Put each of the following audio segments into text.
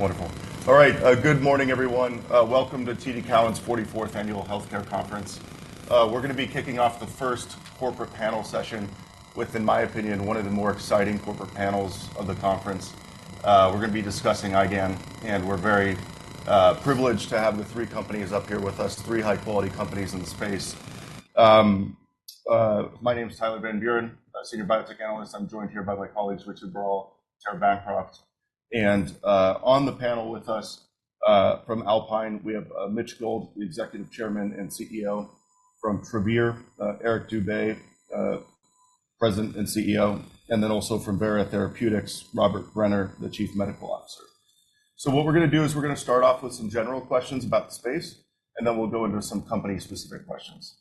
Wonderful. All right, good morning, everyone. Welcome to TD Cowen's 44th Annual Healthcare Conference. We're going to be kicking off the first corporate panel session with, in my opinion, one of the more exciting corporate panels of the conference. We're going to be discussing IgAN, and we're very privileged to have the three companies up here with us, three high-quality companies in the space. My name's Tyler Van Buren, senior biotech analyst. I'm joined here by my colleagues, Richard Burrell, Tara Bancroft. On the panel with us, from Alpine, we have Mitch Gold, the executive chairman and CEO; from Travere, Eric Dube, president and CEO; and then also from Vera Therapeutics, Robert Brenner, the chief medical officer. So what we're going to do is we're going to start off with some general questions about the space, and then we'll go into some company-specific questions.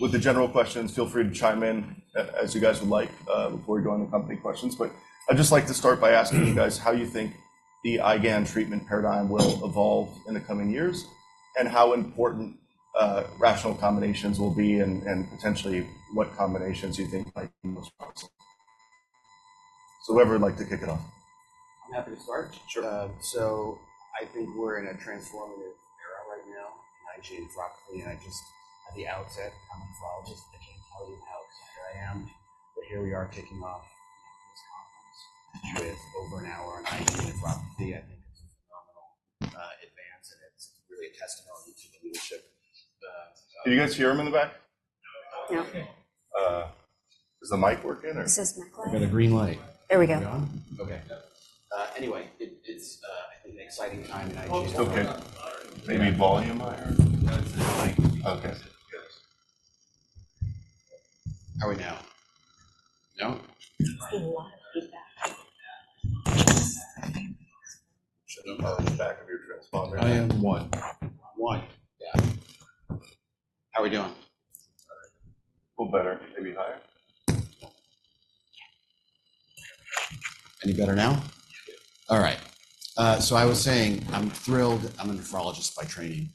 With the general questions, feel free to chime in, as you guys would like, before we go into company questions. But I'd just like to start by asking you guys how you think the IgAN treatment paradigm will evolve in the coming years, and how important rational combinations will be, and potentially what combinations you think might be most powerful. So whoever would like to kick it off. I'm happy to start. Sure. So I think we're in a transformative era right now, and IgAN is dropping in, and I just, at the outset, I'm a nephrologist, and I can't tell you how excited I am, but here we are kicking off this conference. With over an hour on IgA nephrology, I think it's a phenomenal advance, and it's really a testimony to the leadership. Can you guys hear him in the back? No. Yeah. Is the mic working, or? It says microphone. We've got a green light. There we go. We're on? Okay. Yeah. Anyway, it's, I think an exciting time in IgAN. Oh, it's okay. Maybe volume higher? Yeah, it's a bit high. Okay. Yes. How are we now? No? I'm getting a lot of feedback. Shouldn't have heard the back of your. Bob, are you? I am one. One. Yeah. How are we doing? A little better. A little better? Maybe higher? Yeah. Any better now? Yeah. All right, so I was saying, I'm thrilled. I'm a nephrologist by training.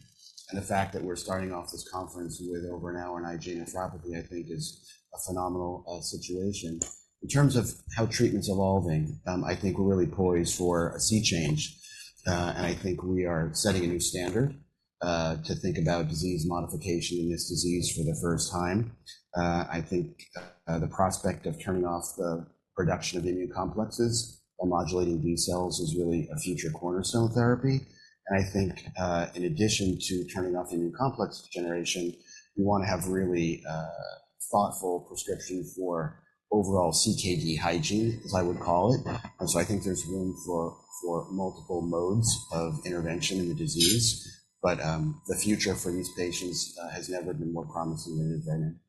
The fact that we're starting off this conference with over an hour on IgAN and nephrology, I think, is a phenomenal situation. In terms of how treatment's evolving, I think we're really poised for a sea change. I think we are setting a new standard to think about disease modification in this disease for the first time. I think the prospect of turning off the production of immune complexes or modulating B cells is really a future cornerstone of therapy. I think, in addition to turning off immune complex generation, we want to have really thoughtful prescription for overall CKD hygiene, as I would call it. So I think there's room for multiple modes of intervention in the disease. But the future for these patients has never been more promising than it has been in.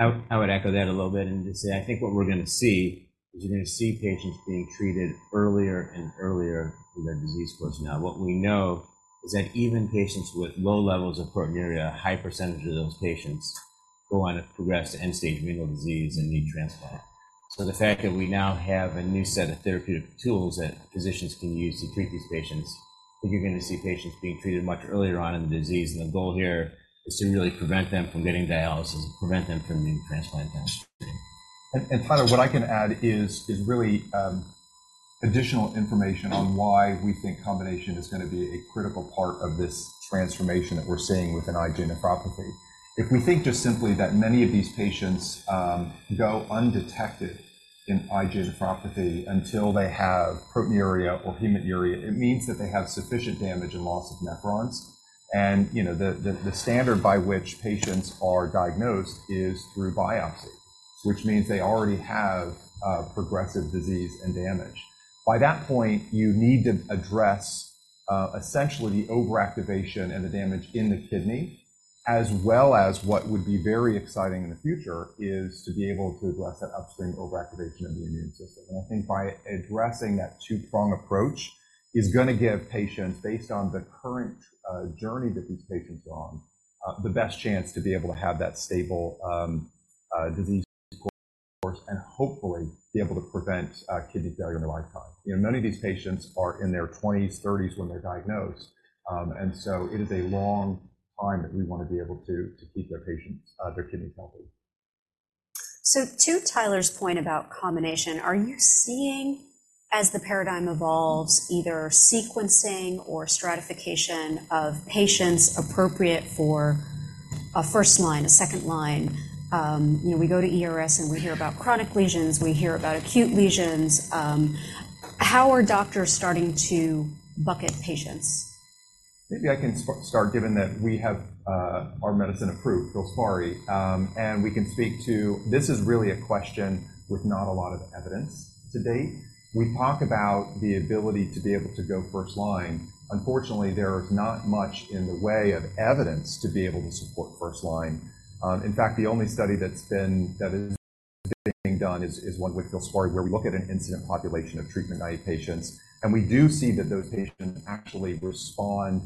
I would, I would echo that a little bit and just say, I think what we're going to see is you're going to see patients being treated earlier and earlier in their disease course now. What we know is that even patients with low levels of proteinuria, a high percentage of those patients go on to progress to end-stage renal disease and need transplant. So the fact that we now have a new set of therapeutic tools that physicians can use to treat these patients, I think you're going to see patients being treated much earlier on in the disease. And the goal here is to really prevent them from getting dialysis, prevent them from needing transplant time. And Tyler, what I can add is really additional information on why we think combination is going to be a critical part of this transformation that we're seeing within IgAN and nephrology. If we think just simply that many of these patients go undetected in IgAN and nephrology until they have proteinuria or hematuria, it means that they have sufficient damage and loss of nephrons. And you know, the standard by which patients are diagnosed is through biopsy, which means they already have progressive disease and damage. By that point, you need to address essentially the overactivation and the damage in the kidney, as well as what would be very exciting in the future is to be able to address that upstream overactivation of the immune system. I think by addressing that two-pronged approach is going to give patients, based on the current, journey that these patients are on, the best chance to be able to have that stable, disease course and hopefully be able to prevent, kidney failure in their lifetime. You know, many of these patients are in their 20s, 30s when they're diagnosed. And so it is a long time that we want to be able to, to keep their patients, their kidneys healthy. So to Tyler's point about combination, are you seeing, as the paradigm evolves, either sequencing or stratification of patients appropriate for a first line, a second line? You know, we go to ERA, and we hear about chronic lesions. We hear about acute lesions. How are doctors starting to bucket patients? Maybe I can start, given that we have our medicine approved, FILSPARI, and we can speak to this. This is really a question with not a lot of evidence to date. We talk about the ability to be able to go first line. Unfortunately, there is not much in the way of evidence to be able to support first line. In fact, the only study that's being done is one with FILSPARI, where we look at an incident population of treatment-naive patients. And we do see that those patients actually respond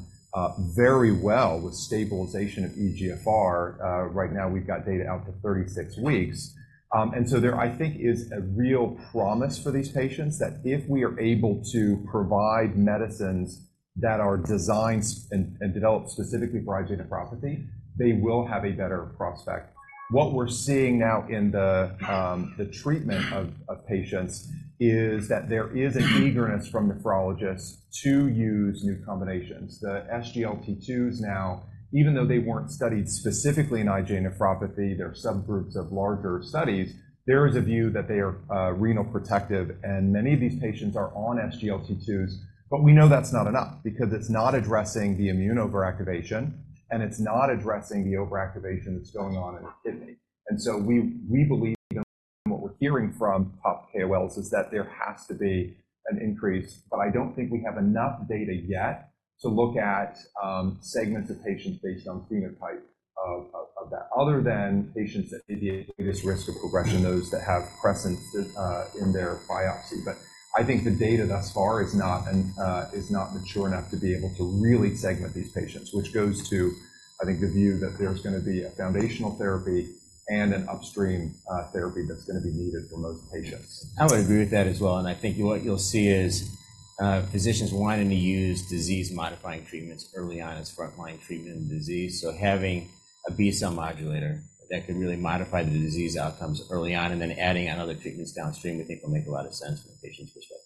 very well with stabilization of eGFR. Right now, we've got data out to 36 weeks. And so there, I think, is a real promise for these patients that if we are able to provide medicines that are designed and developed specifically for IgAN and nephrology, they will have a better prospect. What we're seeing now in the treatment of patients is that there is an eagerness from nephrologists to use new combinations. The SGLT2s now, even though they weren't studied specifically in IgAN and nephrology, they're subgroups of larger studies. There is a view that they are renal protective. And many of these patients are on SGLT2s. But we know that's not enough because it's not addressing the immune overactivation, and it's not addressing the overactivation that's going on in the kidney. And so we believe, and what we're hearing from top KOLs is that there has to be an increase. But I don't think we have enough data yet to look at segments of patients based on phenotype of that, other than patients that may be at greatest risk of progression, those that have crescents in their biopsy. But I think the data thus far is not mature enough to be able to really segment these patients, which goes to, I think, the view that there's going to be a foundational therapy and an upstream therapy that's going to be needed for most patients. I would agree with that as well. I think what you'll see is, physicians wanting to use disease-modifying treatments early on as frontline treatment in the disease. Having a B-cell modulator that could really modify the disease outcomes early on and then adding on other treatments downstream, we think, will make a lot of sense from the patient's perspective.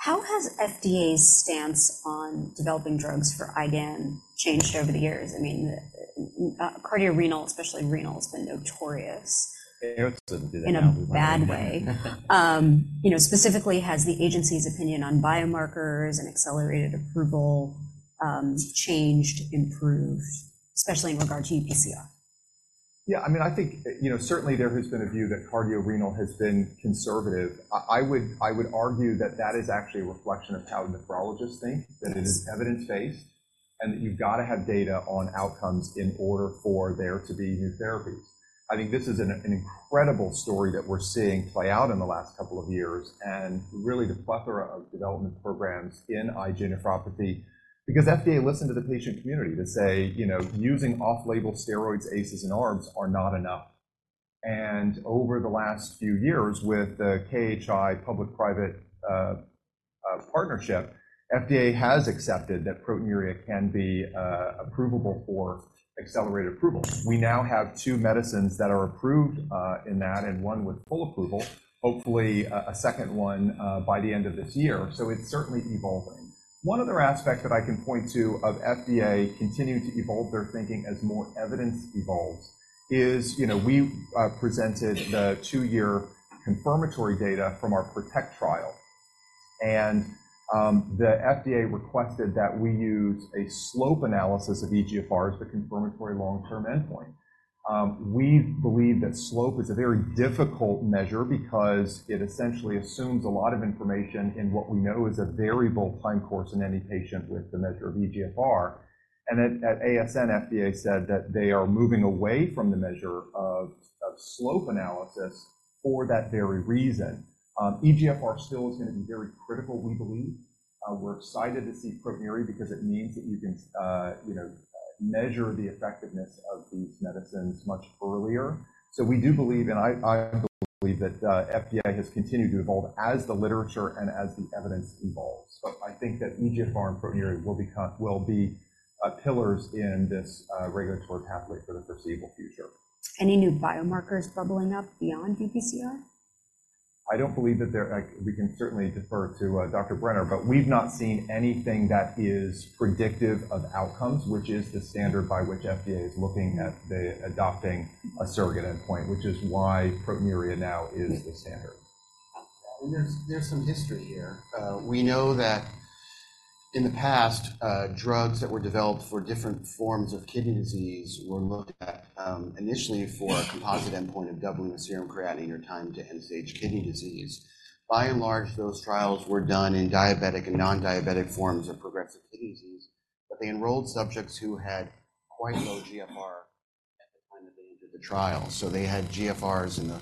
How has FDA's stance on developing drugs for IgAN changed over the years? I mean, the cardiorenal, especially renal, has been notorious. Eric did that. In a bad way. You know, specifically, has the agency's opinion on biomarkers and accelerated approval changed, improved, especially in regard to UPCR? Yeah. I mean, I think, you know, certainly there has been a view that cardiorenal has been conservative. I would argue that that is actually a reflection of how nephrologists think, that it is evidence-based, and that you've got to have data on outcomes in order for there to be new therapies. I think this is an incredible story that we're seeing play out in the last couple of years and really the plethora of development programs in IgAN and nephrology because FDA listened to the patient community to say, you know, using off-label steroids, ACEs, and ARBs are not enough. And over the last few years, with the KHI public-private partnership, FDA has accepted that proteinuria can be approvable for accelerated approval. We now have two medicines that are approved, in that and one with full approval, hopefully, a second one, by the end of this year. So it's certainly evolving. One other aspect that I can point to of FDA continuing to evolve their thinking as more evidence evolves is, you know, we presented the two-year confirmatory data from our PROTECT trial. And the FDA requested that we use a slope analysis of eGFR as the confirmatory long-term endpoint. We believe that slope is a very difficult measure because it essentially assumes a lot of information in what we know is a variable time course in any patient with the measure of eGFR. And at ASN, FDA said that they are moving away from the measure of slope analysis for that very reason. eGFR still is going to be very critical, we believe. We're excited to see proteinuria because it means that you can, you know, measure the effectiveness of these medicines much earlier. So we do believe, and I, I believe that, FDA has continued to evolve as the literature and as the evidence evolves. But I think that eGFR and proteinuria will become will be, pillars in this, regulatory pathway for the foreseeable future. Any new biomarkers bubbling up beyond UPCR? I don't believe that we can certainly defer to Dr. Brenner. But we've not seen anything that is predictive of outcomes, which is the standard by which FDA is looking at the adopting a surrogate endpoint, which is why proteinuria now is the standard. There's some history here. We know that in the past, drugs that were developed for different forms of kidney disease were looked at, initially for a composite endpoint of doubling the serum creatinine or time to end-stage kidney disease. By and large, those trials were done in diabetic and non-diabetic forms of progressive kidney disease. But they enrolled subjects who had quite low GFR at the time that they entered the trial. So they had GFRs in the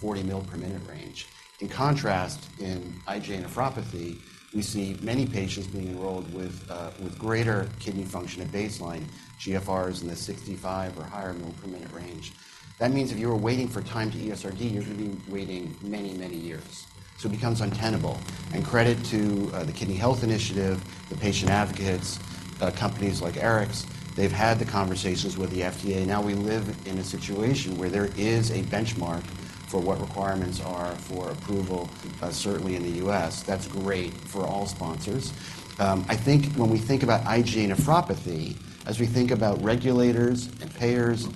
40 mL/min range. In contrast, in IgAN and nephrology, we see many patients being enrolled with greater kidney function at baseline, GFRs in the 65 or higher mL/min range. That means if you were waiting for time to ESRD, you're going to be waiting many, many years. So it becomes untenable. Credit to the Kidney Health Initiative, the patient advocates, companies like Ericsson. They've had the conversations with the FDA. Now we live in a situation where there is a benchmark for what requirements are for approval, certainly in the U.S. That's great for all sponsors. I think when we think about IgAN and nephrology, as we think about regulators and payers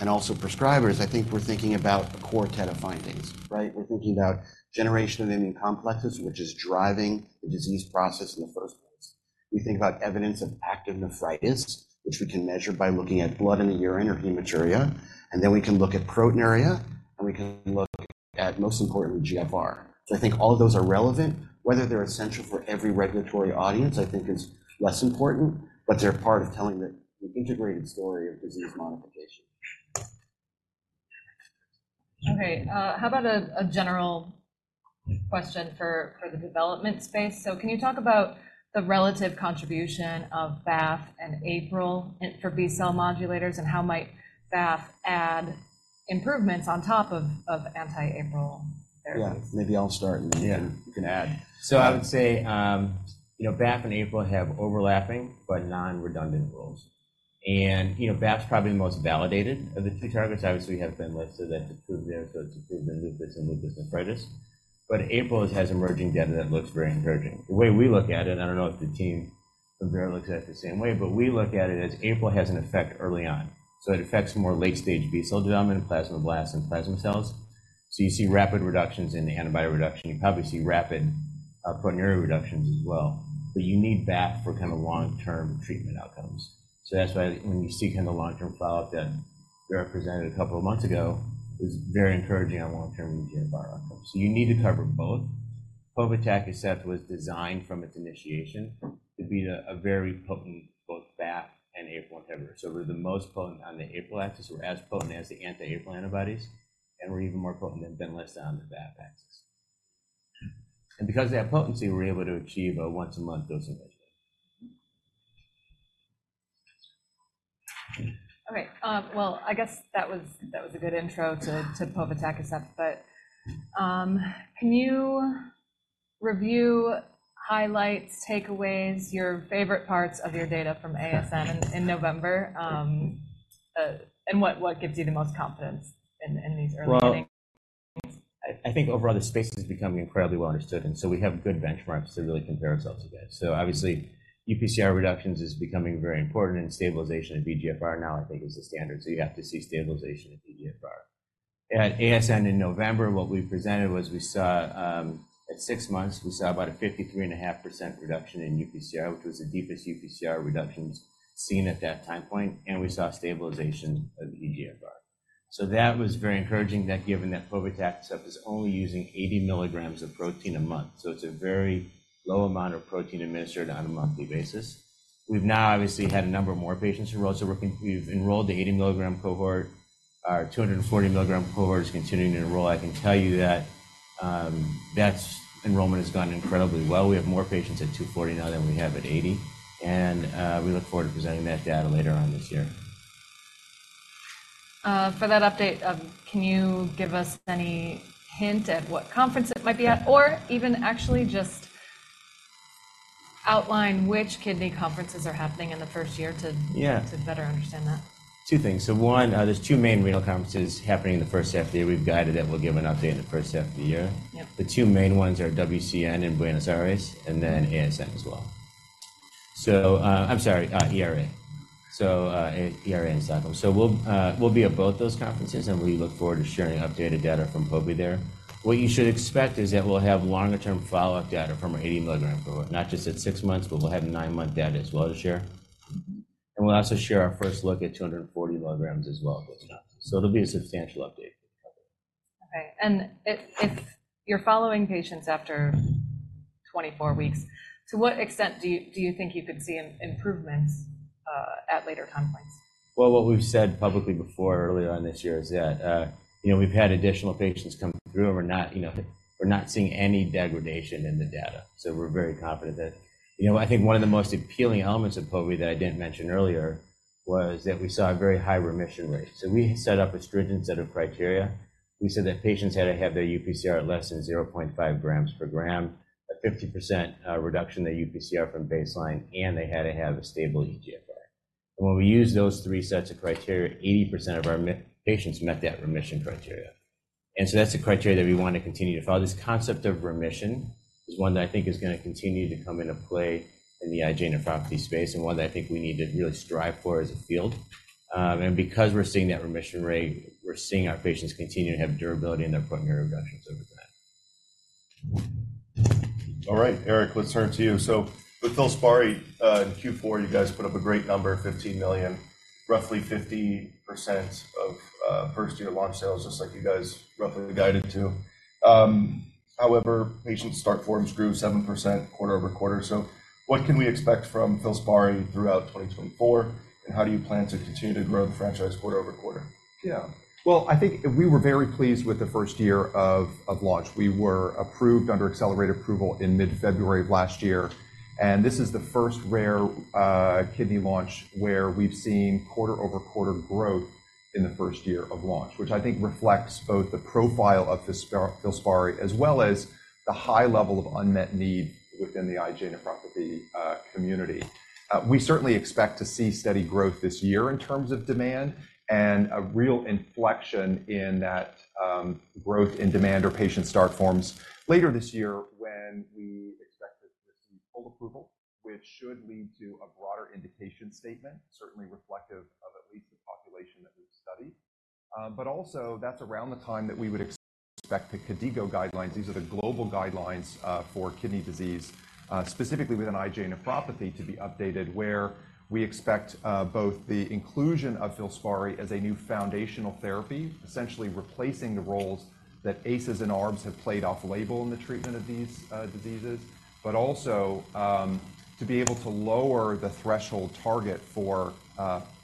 and also prescribers, I think we're thinking about a quartet of findings, right? We're thinking about generation of immune complexes, which is driving the disease process in the first place. We think about evidence of active nephritis, which we can measure by looking at blood in the urine or hematuria. And then we can look at proteinuria. And we can look at, most importantly, GFR. So I think all of those are relevant. Whether they're essential for every regulatory audience, I think, is less important. But they're part of telling the integrated story of disease modification. Okay. How about a general question for the development space? So can you talk about the relative contribution of BAFF and APRIL for B-cell modulators? And how might BAFF add improvements on top of anti-APRIL therapy? Yeah. Maybe I'll start, and then you can, you can add. So I would say, you know, BAFF and APRIL have overlapping but non-redundant roles. And, you know, BAFF's probably the most validated of the two targets. Obviously, we have Benlysta that's approved there. So it's approved in lupus and lupus nephritis. But APRIL has emerging data that looks very encouraging. The way we look at it, and I don't know if the team from Vera looks at it the same way, but we look at it as APRIL has an effect early on. So it affects more late-stage B-cell development, plasmablasts, and plasma cells. So you see rapid reductions in the antibody reduction. You probably see rapid proteinuria reductions as well. But you need BAFF for kind of long-term treatment outcomes. So that's why when you see kind of the long-term follow-up that Vera presented a couple of months ago is very encouraging on long-term eGFR outcomes. So you need to cover both. COVID-TAC is said to have been designed from its initiation to be a very potent both BAFF and APRIL antibodies. So we're the most potent on the APRIL axis. We're as potent as the anti-APRIL antibodies. And we're even more potent than Benlysta on the BAFF axis. And because of that potency, we're able to achieve a once-a-month dosing regimen. Okay. Well, I guess that was, that was a good intro to povetacicept, as said. But can you review, highlight takeaways, your favorite parts of your data from ASN in November? And what gives you the most confidence in these early findings? Well, I, I think overall, the space is becoming incredibly well understood. And so we have good benchmarks to really compare ourselves against. So obviously, UPCR reductions is becoming very important. And stabilization of eGFR now, I think, is the standard. So you have to see stabilization of eGFR. At ASN in November, what we presented was we saw, at six months, we saw about a 53.5% reduction in UPCR, which was the deepest UPCR reductions seen at that time point. And we saw stabilization of eGFR. So that was very encouraging, that given that atacicept is said to be only using 80 mg of protein a month. So it's a very low amount of protein administered on a monthly basis. We've now obviously had a number of more patients enrolled. So we've enrolled the 80 mg cohort. Our 240 mg cohort is continuing to enroll. I can tell you that that's enrollment has gone incredibly well. We have more patients at 240 now than we have at 80. We look forward to presenting that data later on this year. For that update, can you give us any hint at what conference it might be at or even actually just outline which kidney conferences are happening in the first year to? Yeah. To better understand that? Two things. So one, there's two main renal conferences happening in the first half of the year. We've guided that. We'll give an update in the first half of the year. Yep. The two main ones are WCN in Buenos Aires and then ASN as well. So, I'm sorry, ERA. So, ERA in Stockholm. So we'll be at both those conferences. And we look forward to sharing updated data from the PROTECT there. What you should expect is that we'll have longer-term follow-up data from our 80 mg cohort, not just at six months, but we'll have nine-month data as well to share. And we'll also share our first look at 240 mg as well at those conferences. So it'll be a substantial update for the company. Okay. And if you're following patients after 24 weeks, to what extent do you think you could see improvements at later time points? Well, what we've said publicly before earlier on this year is that, you know, we've had additional patients come through. And we're not, you know, we're not seeing any degradation in the data. So we're very confident that, you know, I think one of the most appealing elements of COVID that I didn't mention earlier was that we saw a very high remission rate. So we set up a stringent set of criteria. We said that patients had to have their UPCR at less than 0.5 g per gram, a 50% reduction in their UPCR from baseline. And they had to have a stable eGFR. And when we used those three sets of criteria, 80% of our nine patients met that remission criteria. And so that's a criteria that we want to continue to follow. This concept of remission is one that I think is going to continue to come into play in the IgAN and nephrology space and one that I think we need to really strive for as a field. And because we're seeing that remission rate, we're seeing our patients continue to have durability in their proteinuria reductions over time. All right. Eric, let's turn to you. So with FILSPARI, in Q4, you guys put up a great number, $15 million, roughly 50% of first-year launch sales, just like you guys roughly guided to. However, patient start forms grew 7% quarter-over-quarter. So what can we expect from FILSPARI throughout 2024? And how do you plan to continue to grow the franchise quarter-over-quarter? Yeah. Well, I think we were very pleased with the first year of, of launch. We were approved under accelerated approval in mid-February of last year. This is the first rare kidney launch where we've seen quarter-over-quarter growth in the first year of launch, which I think reflects both the profile of FILSPARI as well as the high level of unmet need within the IgAN and nephrology community. We certainly expect to see steady growth this year in terms of demand and a real inflection in that growth in demand or patient start forms later this year when we expect to receive full approval, which should lead to a broader indication statement, certainly reflective of at least the population that we've studied. but also, that's around the time that we would expect the KDIGO guidelines, these are the global guidelines for kidney disease, specifically within IgAN and nephrology, to be updated, where we expect both the inclusion of FILSPARI as a new foundational therapy, essentially replacing the roles that ACEs and ARBs have played off-label in the treatment of these diseases, but also to be able to lower the threshold target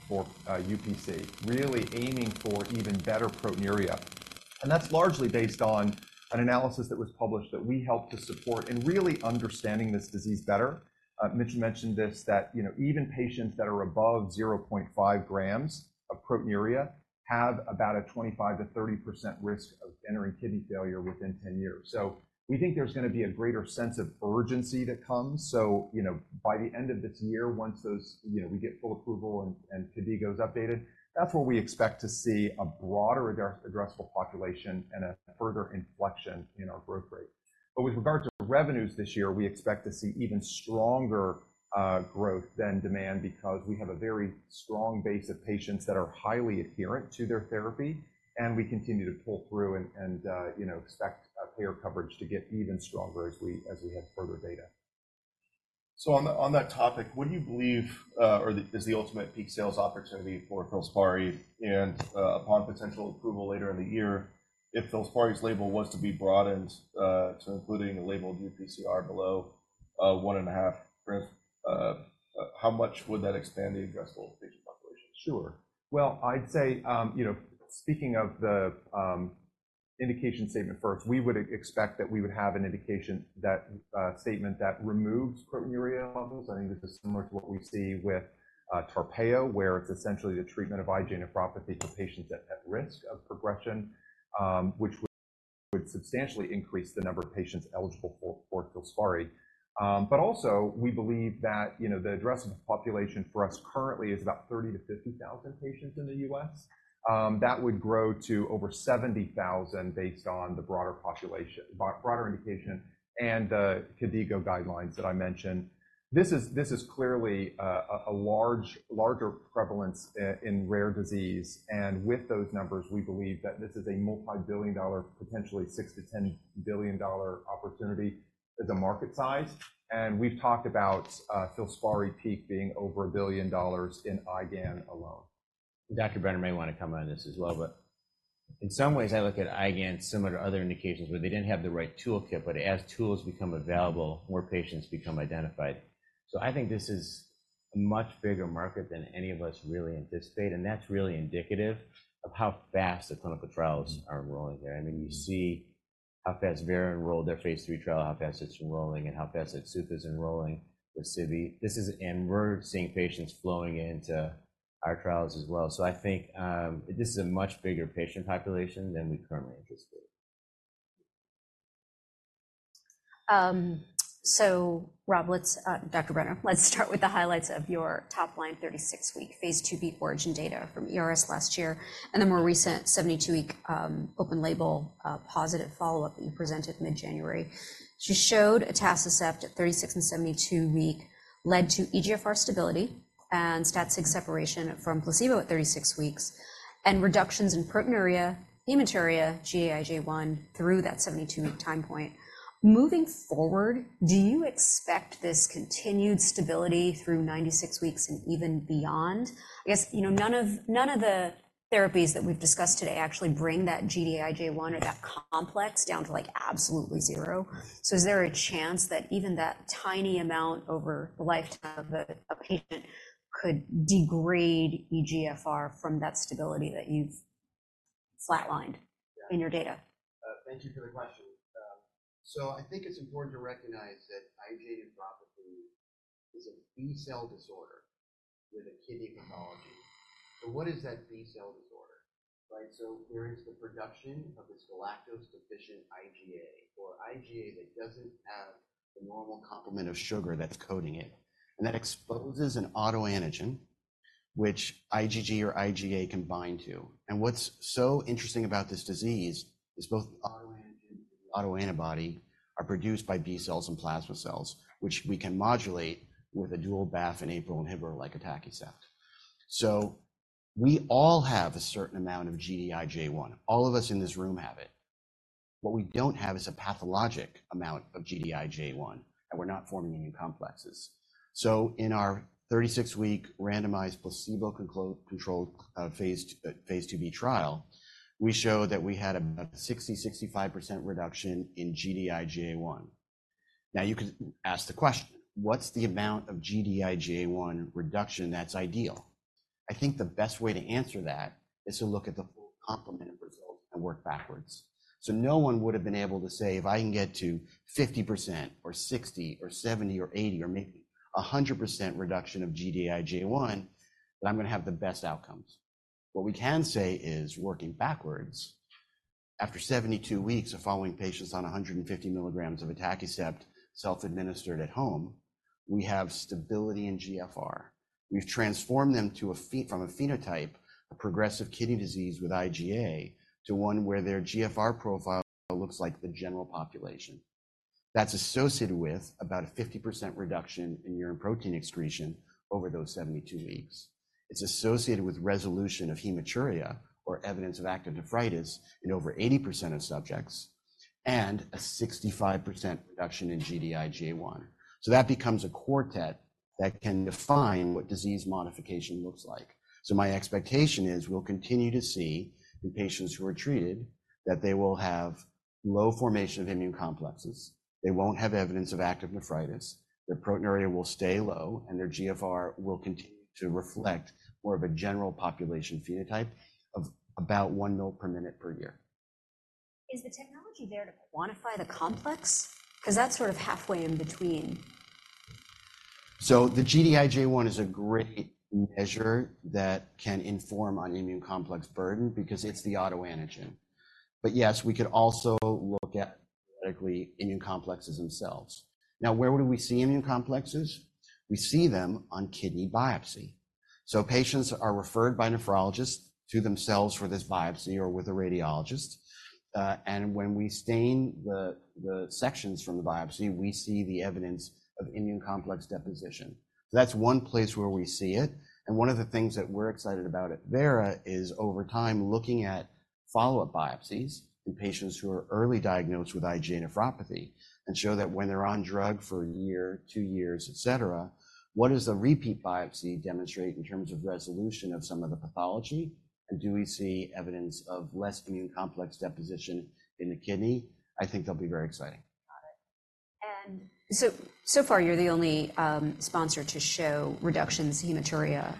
for UPC, really aiming for even better proteinuria. And that's largely based on an analysis that was published that we helped to support in really understanding this disease better. Mitchell mentioned this, that you know, even patients that are above 0.5 grams of proteinuria have about a 25%-30% risk of entering kidney failure within 10 years. So we think there's going to be a greater sense of urgency that comes. So, you know, by the end of this year, once those, you know, we get full approval and KDIGO is updated, that's where we expect to see a broader addressable population and a further inflection in our growth rate. But with regard to revenues this year, we expect to see even stronger growth than demand because we have a very strong base of patients that are highly adherent to their therapy. And we continue to pull through and, you know, expect payer coverage to get even stronger as we have further data. So on that topic, what do you believe, or what is the ultimate peak sales opportunity for FILSPARI and, upon potential approval later in the year, if FILSPARI's label was to be broadened to include a labeled UPCR below 1.5 g, how much would that expand the addressable patient population? Sure. Well, I'd say, you know, speaking of the indication statement first, we would expect that we would have an indication that statement that removes proteinuria levels. I think this is similar to what we see with TARPEYO, where it's essentially the treatment of IgA nephropathy for patients at risk of progression, which would substantially increase the number of patients eligible for FILSPARI. But also, we believe that, you know, the addressable population for us currently is about 30-50,000 patients in the U.S. That would grow to over 70,000 based on the broader population, broader indication, and the KDIGO guidelines that I mentioned. This is clearly a larger prevalence in rare disease. And with those numbers, we believe that this is a multi-billion-dollar, potentially $6-$10 billion opportunity as a market size. We've talked about FILSPARI peak being over $1 billion in IgAN alone. Dr. Brenner may want to come on this as well. But in some ways, I look at IgAN similar to other indications, where they didn't have the right toolkit. But as tools become available, more patients become identified. So I think this is a much bigger market than any of us really anticipate. And that's really indicative of how fast the clinical trials are enrolling there. I mean, you see how fast Vera enrolled their Phase III trial, how fast it's enrolling, and how fast it's enrolling with sibeprenlimab. This is and we're seeing patients flowing into our trials as well. So I think, this is a much bigger patient population than we currently anticipate. Rob, let's, Dr. Brenner, let's start with the highlights of your top-line 36-week Phase II ORIGIN data from ERA last year and the more recent 72-week, open-label, positive follow-up that you presented mid-January. You showed atacicept at 36 and 72 weeks led to eGFR stability and static separation from placebo at 36 weeks and reductions in proteinuria, hematuria, Gd-IgA1 through that 72-week time point. Moving forward, do you expect this continued stability through 96 weeks and even beyond? I guess, you know, none of the therapies that we've discussed today actually bring that Gd-IgA1 or that complex down to, like, absolutely zero. So is there a chance that even that tiny amount over the lifetime of a patient could degrade eGFR from that stability that you've flatlined in your data? Yeah. Thank you for the question. So I think it's important to recognize that IgAN in nephrology is a B-cell disorder with a kidney pathology. So what is that B-cell disorder, right? So there is the production of this galactose-deficient IgA or IgA that doesn't have the normal complement of sugar that's coating it. And that exposes an autoantigen, which IgG or IgA can bind to. And what's so interesting about this disease is both the autoantigen and the autoantibody are produced by B cells and plasma cells, which we can modulate with a dual BAFF and APRIL inhibitor like atacicept. So we all have a certain amount of Gd-IgA1. All of us in this room have it. What we don't have is a pathologic amount of Gd-IgA1. And we're not forming any complexes. In our 36-week randomized placebo-controlled Phase IIb trial, we showed that we had about a 60%-65% reduction in Gd-IgA1. Now, you could ask the question, what's the amount of Gd-IgA1 reduction that's ideal? I think the best way to answer that is to look at the full complement of results and work backwards. So no one would have been able to say, "If I can get to 50% or 60% or 70% or 80% or maybe 100% reduction of Gd-IgA1, then I'm going to have the best outcomes." What we can say is, working backwards, after 72 weeks of following patients on 150 mg of atacicept self-administered at home, we have stability in GFR. We've transformed them from a phenotype, a progressive kidney disease with IgA, to one where their GFR profile looks like the general population. That's associated with about a 50% reduction in urine protein excretion over those 72 weeks. It's associated with resolution of hematuria or evidence of active nephritis in over 80% of subjects and a 65% reduction in Gd-IgA1. So that becomes a quartet that can define what disease modification looks like. So my expectation is we'll continue to see in patients who are treated that they will have low formation of immune complexes. They won't have evidence of active nephritis. Their proteinuria will stay low. And their GFR will continue to reflect more of a general population phenotype of about 1 ml/min/year. Is the technology there to quantify the complex? Because that's sort of halfway in between. So the Gd-IgA1 is a great measure that can inform on immune complex burden because it's the autoantigen. But yes, we could also look at, likely, immune complexes themselves. Now, where would we see immune complexes? We see them on kidney biopsy. So patients are referred by nephrologists to themselves for this biopsy or with a radiologist. And when we stain the sections from the biopsy, we see the evidence of immune complex deposition. So that's one place where we see it. And one of the things that we're excited about at Vera is, over time, looking at follow-up biopsies in patients who are early diagnosed with IgAN and nephrology and show that when they're on drug for a year, two years, etc., what does the repeat biopsy demonstrate in terms of resolution of some of the pathology? Do we see evidence of less immune complex deposition in the kidney? I think they'll be very exciting. Got it. So far, you're the only sponsor to show reductions in hematuria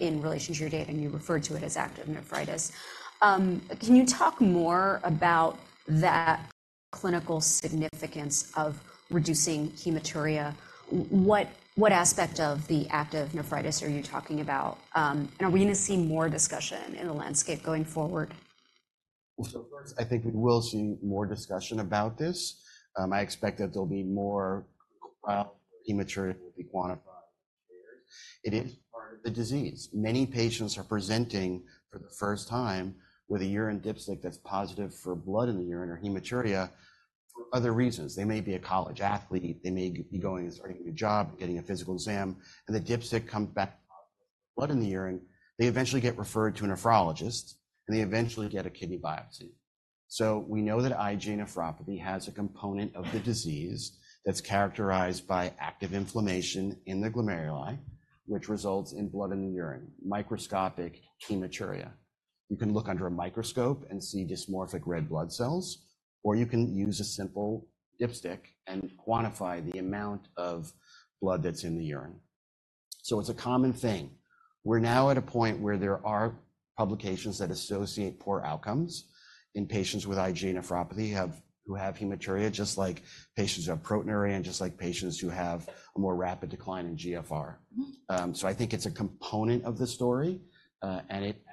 in relation to your data. You referred to it as active nephritis. Can you talk more about that clinical significance of reducing hematuria? What aspect of the active nephritis are you talking about? Are we going to see more discussion in the landscape going forward? Well, so first, I think we will see more discussion about this. I expect that there'll be more while hematuria will be quantified. It is part of the disease. Many patients are presenting for the first time with a urine dipstick that's positive for blood in the urine or hematuria for other reasons. They may be a college athlete. They may be going and starting a new job, getting a physical exam. The dipstick comes back positive for blood in the urine. They eventually get referred to a nephrologist. They eventually get a kidney biopsy. So we know that IgAN and nephrology has a component of the disease that's characterized by active inflammation in the glomeruli, which results in blood in the urine, microscopic hematuria. You can look under a microscope and see dysmorphic red blood cells. Or you can use a simple dipstick and quantify the amount of blood that's in the urine. So it's a common thing. We're now at a point where there are publications that associate poor outcomes in patients with IgAN and nephrology who have hematuria, just like patients who have proteinuria and just like patients who have a more rapid decline in GFR. So I think it's a component of the story, and it adds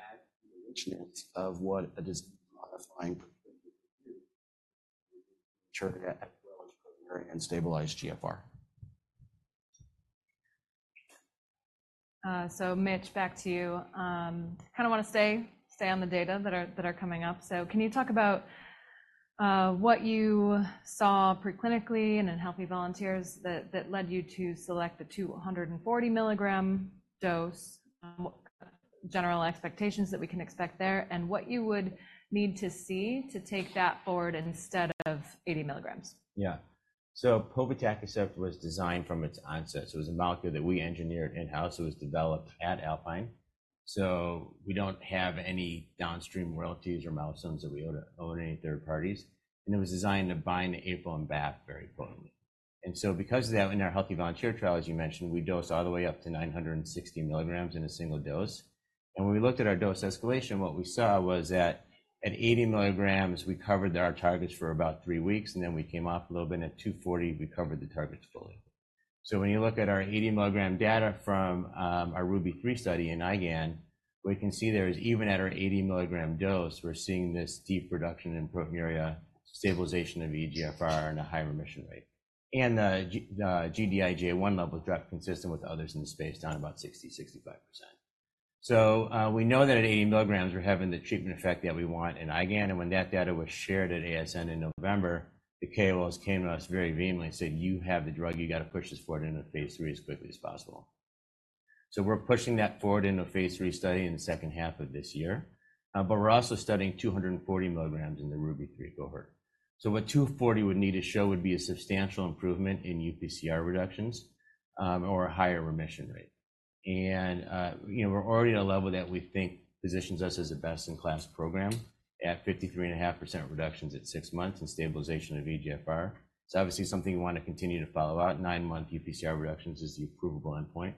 to the richness of what a disease-modifying proteinuria as well as proteinuria and stabilized GFR. So Mitch, back to you. Kind of want to stay on the data that are coming up. So can you talk about what you saw preclinically and in healthy volunteers that led you to select the 240 mg dose, general expectations that we can expect there, and what you would need to see to take that forward instead of 80 mg? Yeah. So povetacicept was designed from its onset. So it was a molecule that we engineered in-house. It was developed at Alpine. So we don't have any downstream royalties or milestones that we own any third parties. And it was designed to bind the APRIL and BAFF very poorly. And so because of that, in our Healthy Volunteer trial, as you mentioned, we dose all the way up to 960 mg in a single dose. And when we looked at our dose escalation, what we saw was that at 80 mg, we covered our targets for about three weeks. And then we came off a little bit. At 240 mg, we covered the targets fully. So when you look at our 80 mg data from our RUBY-3 study in IgAN, we can see there is even at our 80 mg dose, we're seeing this deep reduction in proteinuria, stabilization of eGFR, and a higher remission rate. And the Gd-IgA1 level dropped consistent with others in the space down about 60%-65%. So we know that at 80 mg, we're having the treatment effect that we want in IgAN. And when that data was shared at ASN in November, the KOLs came to us very vehemently and said, "You have the drug. You got to push this forward into Phase III as quickly as possible." So we're pushing that forward into a Phase III study in the second half of this year, but we're also studying 240 mg in the RUBY-3 cohort. So what 240 would need to show would be a substantial improvement in UPCR reductions, or a higher remission rate. You know, we're already at a level that we think positions us as a best-in-class program at 53.5% reductions at six months and stabilization of eGFR. It's obviously something you want to continue to follow out. Nine-month UPCR reductions is the approval endpoint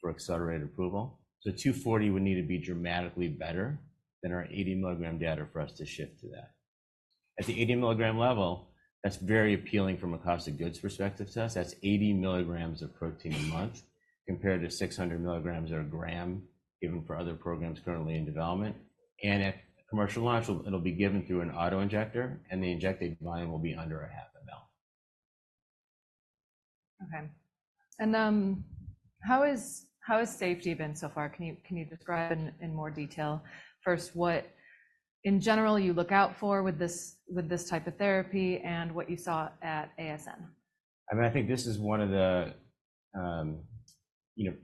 for accelerated approval. So 240 would need to be dramatically better than our 80 mg data for us to shift to that. At the 80 mg level, that's very appealing from a cost of goods perspective to us. That's 80 mg of protein a month compared to 600 mg or 1 gram given for other programs currently in development. At commercial launch, it'll be given through an autoinjector. The injected volume will be under a half a mL. Okay. How is safety been so far? Can you describe in more detail first what, in general, you look out for with this type of therapy and what you saw at ASN? I mean, I think this is one of the, you know,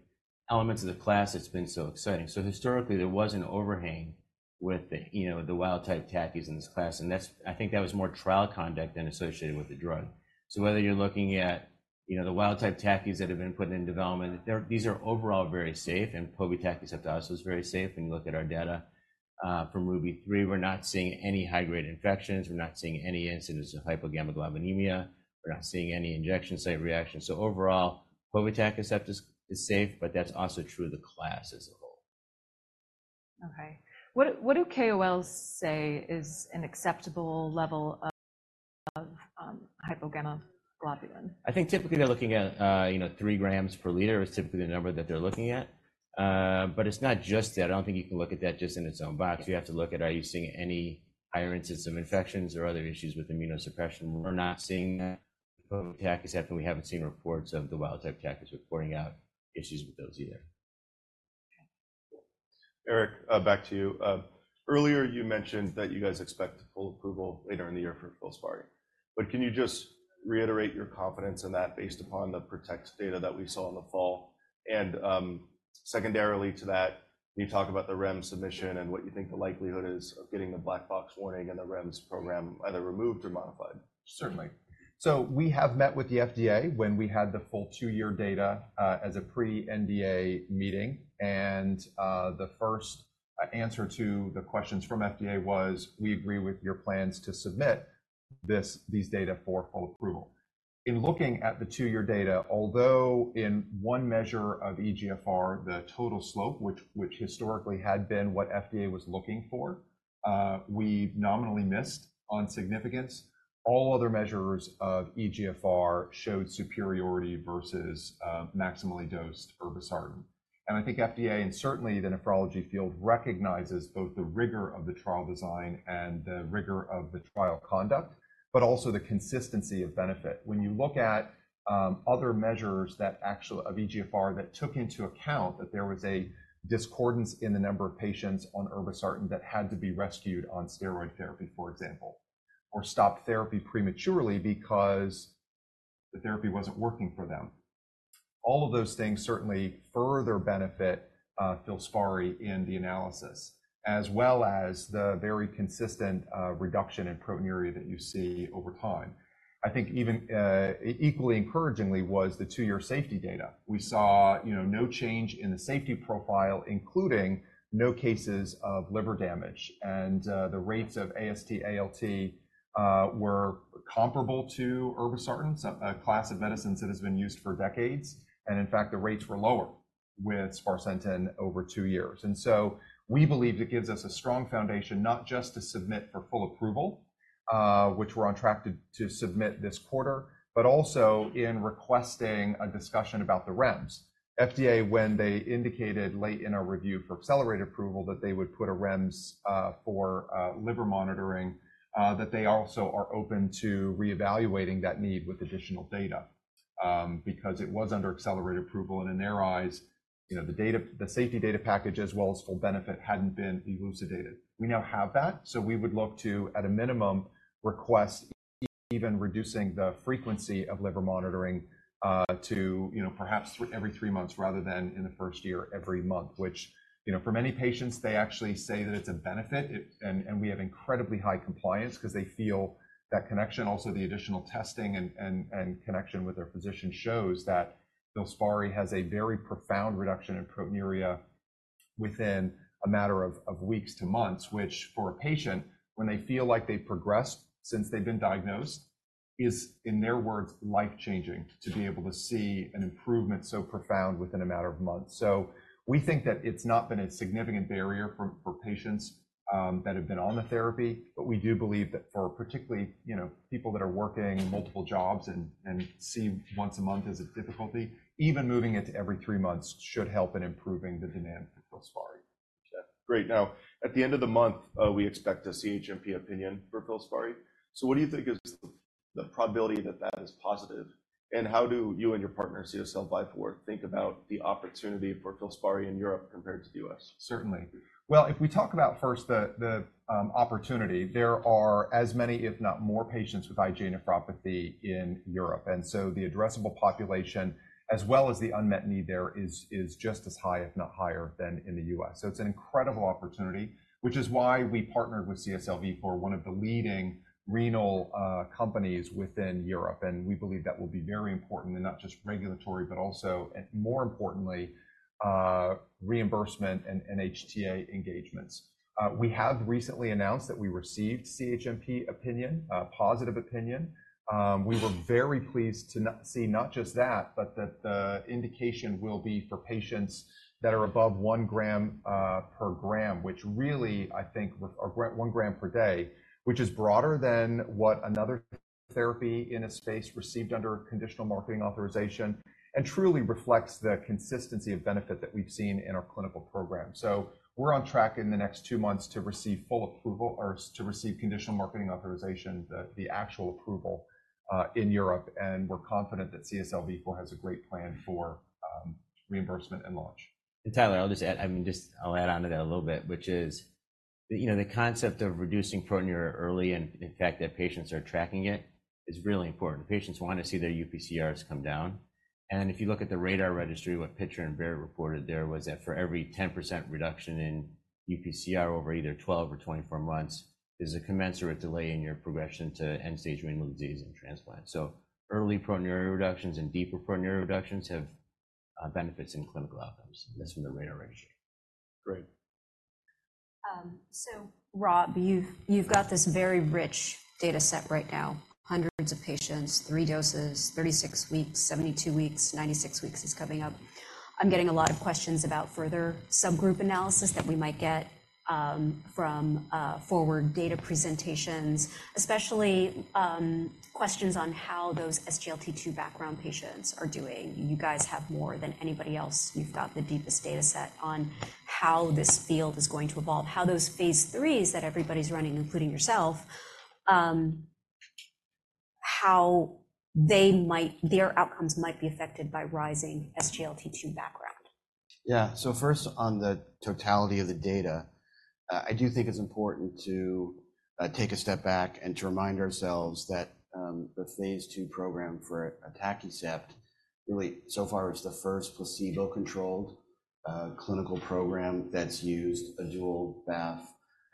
elements of the class that's been so exciting. So historically, there was an overhang with the, you know, the wild-type TACIs in this class. And that's, I think that was more trial conduct than associated with the drug. So whether you're looking at, you know, the wild-type TACIs that have been put in development, they're, these are overall very safe. And povetacicept is safe to us. It was very safe. When you look at our data from RUBY-3, we're not seeing any high-grade infections. We're not seeing any incidence of hypogammaglobulinemia. We're not seeing any injection site reactions. So overall, povetacicept is safe. But that's also true of the class as a whole. Okay. What, what do KOLs say is an acceptable level of hypogammaglobulinemia? I think typically, they're looking at, you know, three grams per liter is typically the number that they're looking at. But it's not just that. I don't think you can look at that just in its own box. You have to look at, are you seeing any higher incidence of infections or other issues with immunosuppression? We're not seeing that. Povetacicept is safe. And we haven't seen reports of the wild-type TAC reporting out issues with those either. Eric, back to you. Earlier, you mentioned that you guys expect to full approval later in the year for FILSPARI. But can you just reiterate your confidence in that based upon the PROTECT data that we saw in the fall? And, secondarily to that, can you talk about the REMS submission and what you think the likelihood is of getting the black box warning and the REMS program either removed or modified? Certainly. We have met with the FDA when we had the full two-year data, as a pre-NDA meeting. The first answer to the questions from FDA was, "We agree with your plans to submit this, these data for full approval." In looking at the two-year data, although in one measure of eGFR, the total slope, which historically had been what FDA was looking for, we nominally missed on significance. All other measures of eGFR showed superiority versus maximally dosed irbesartan. I think FDA and certainly the nephrology field recognizes both the rigor of the trial design and the rigor of the trial conduct, but also the consistency of benefit. When you look at other measures that actually of eGFR that took into account that there was a discordance in the number of patients on irbesartan that had to be rescued on steroid therapy, for example, or stopped therapy prematurely because the therapy wasn't working for them, all of those things certainly further benefit FILSPARI in the analysis, as well as the very consistent reduction in proteinuria that you see over time. I think even equally encouragingly was the two-year safety data. We saw, you know, no change in the safety profile, including no cases of liver damage. And the rates of AST, ALT were comparable to irbesartan, a class of medicines that has been used for decades. And in fact, the rates were lower with sparsentan over two years. And so we believe it gives us a strong foundation, not just to submit for full approval, which we're on track to, to submit this quarter, but also in requesting a discussion about the REMS. FDA, when they indicated late in our review for accelerated approval that they would put a REMS, for, liver monitoring, that they also are open to reevaluating that need with additional data, because it was under accelerated approval. And in their eyes, you know, the data, the safety data package, as well as full benefit, hadn't been elucidated. We now have that. So we would look to, at a minimum, request even reducing the frequency of liver monitoring, to, you know, perhaps every three months rather than in the first year every month, which, you know, for many patients, they actually say that it's a benefit. We have incredibly high compliance because they feel that connection. Also, the additional testing and connection with their physician shows that FILSPARI has a very profound reduction in proteinuria within a matter of weeks to months, which for a patient, when they feel like they've progressed since they've been diagnosed, is, in their words, life-changing to be able to see an improvement so profound within a matter of months. So we think that it's not been a significant barrier for patients that have been on the therapy. But we do believe that for particularly, you know, people that are working multiple jobs and see once a month as a difficulty, even moving it to every three months should help in improving the demand for FILSPARI. Yeah. Great. Now, at the end of the month, we expect a CHMP opinion for FILSPARI. So what do you think is the probability that that is positive? And how do you and your partner, CSL Vifor, think about the opportunity for FILSPARI in Europe compared to the U.S.? Certainly. Well, if we talk about first the opportunity, there are as many, if not more, patients with IgAN and nephrology in Europe. And so the addressable population, as well as the unmet need there is just as high, if not higher, than in the U.S. So it's an incredible opportunity, which is why we partnered with CSL Vifor, one of the leading renal companies within Europe. And we believe that will be very important and not just regulatory, but also, more importantly, reimbursement and HTA engagements. We have recently announced that we received CHMP positive opinion. We were very pleased to not see not just that, but that the indication will be for patients that are above 1 g/g, which really, I think, are one gram per day, which is broader than what another therapy in a space received under conditional marketing authorization and truly reflects the consistency of benefit that we've seen in our clinical program. So we're on track in the next two months to receive full approval or to receive conditional marketing authorization, the actual approval, in Europe. We're confident that CSL Vifor has a great plan for reimbursement and launch. Tyler, I'll just add, I mean, just I'll add on to that a little bit, which is, you know, the concept of reducing proteinuria early and, in fact, that patients are tracking it is really important. Patients want to see their UPCRs come down. If you look at the RADAR Registry, what Peter Barrett reported there was that for every 10% reduction in UPCR over either 12 or 24 months is a commensurate delay in your progression to end-stage renal disease and transplant. Early proteinuria reductions and deeper proteinuria reductions have benefits in clinical outcomes. That's from the RADAR Registry. Great. So, Rob, you've, you've got this very rich data set right now, hundreds of patients, three doses, 36 weeks, 72 weeks, 96 weeks is coming up. I'm getting a lot of questions about further subgroup analysis that we might get from forward data presentations, especially questions on how those SGLT2 background patients are doing. You guys have more than anybody else. You've got the deepest data set on how this field is going to evolve, how those Phase IIIs that everybody's running, including yourself, how they might, their outcomes might be affected by rising SGLT2 background. Yeah. So first, on the totality of the data, I do think it's important to take a step back and to remind ourselves that the Phase II program for atacicept is safe. Really, so far, it's the first placebo-controlled clinical program that's used a dual BAFF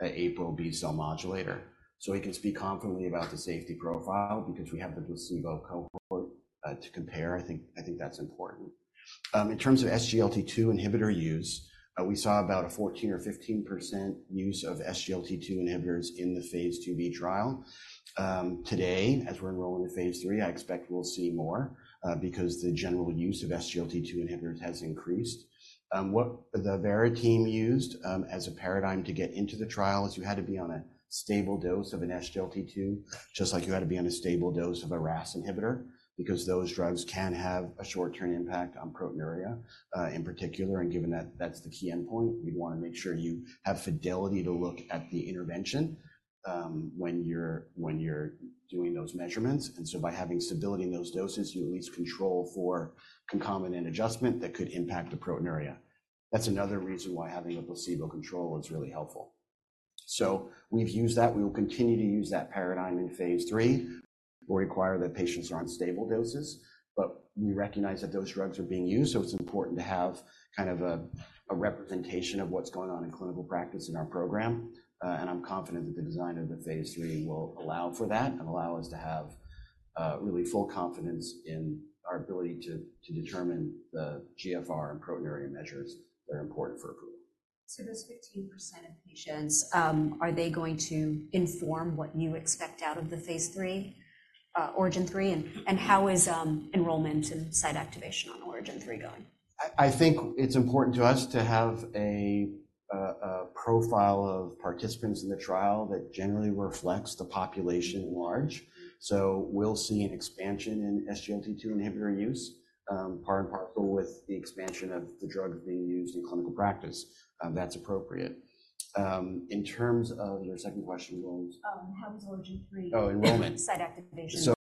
and APRIL B-cell modulator. So we can speak confidently about the safety profile because we have the placebo cohort to compare. I think, I think that's important. In terms of SGLT2 inhibitor use, we saw about a 14% or 15% use of SGLT2 inhibitors in the Phase IIb trial. Today, as we're enrolling in Phase III, I expect we'll see more, because the general use of SGLT2 inhibitors has increased. What the Vera team used, as a paradigm to get into the trial is you had to be on a stable dose of an SGLT2, just like you had to be on a stable dose of a RAAS inhibitor because those drugs can have a short-term impact on proteinuria, in particular. And given that that's the key endpoint, we'd want to make sure you have fidelity to look at the intervention, when you're doing those measurements. And so by having stability in those doses, you at least control for concomitant adjustment that could impact the proteinuria. That's another reason why having a placebo control is really helpful. So we've used that. We will continue to use that paradigm in Phase III. We'll require that patients are on stable doses. But we recognize that those drugs are being used. So it's important to have kind of a representation of what's going on in clinical practice in our program. I'm confident that the design of the Phase III will allow for that and allow us to have really full confidence in our ability to determine the GFR and proteinuria measures that are important for approval. So those 15% of patients, are they going to inform what you expect out of the Phase III, ORIGIN-3? And, and how is, enrollment and site activation on ORIGIN-3 going? I think it's important to us to have a profile of participants in the trial that generally reflects the population at large. So we'll see an expansion in SGLT2 inhibitor use, part and parcel with the expansion of the drugs being used in clinical practice. That's appropriate. In terms of your second question, Roland. How was ORIGIN-3? Oh, enrollment. Site activation.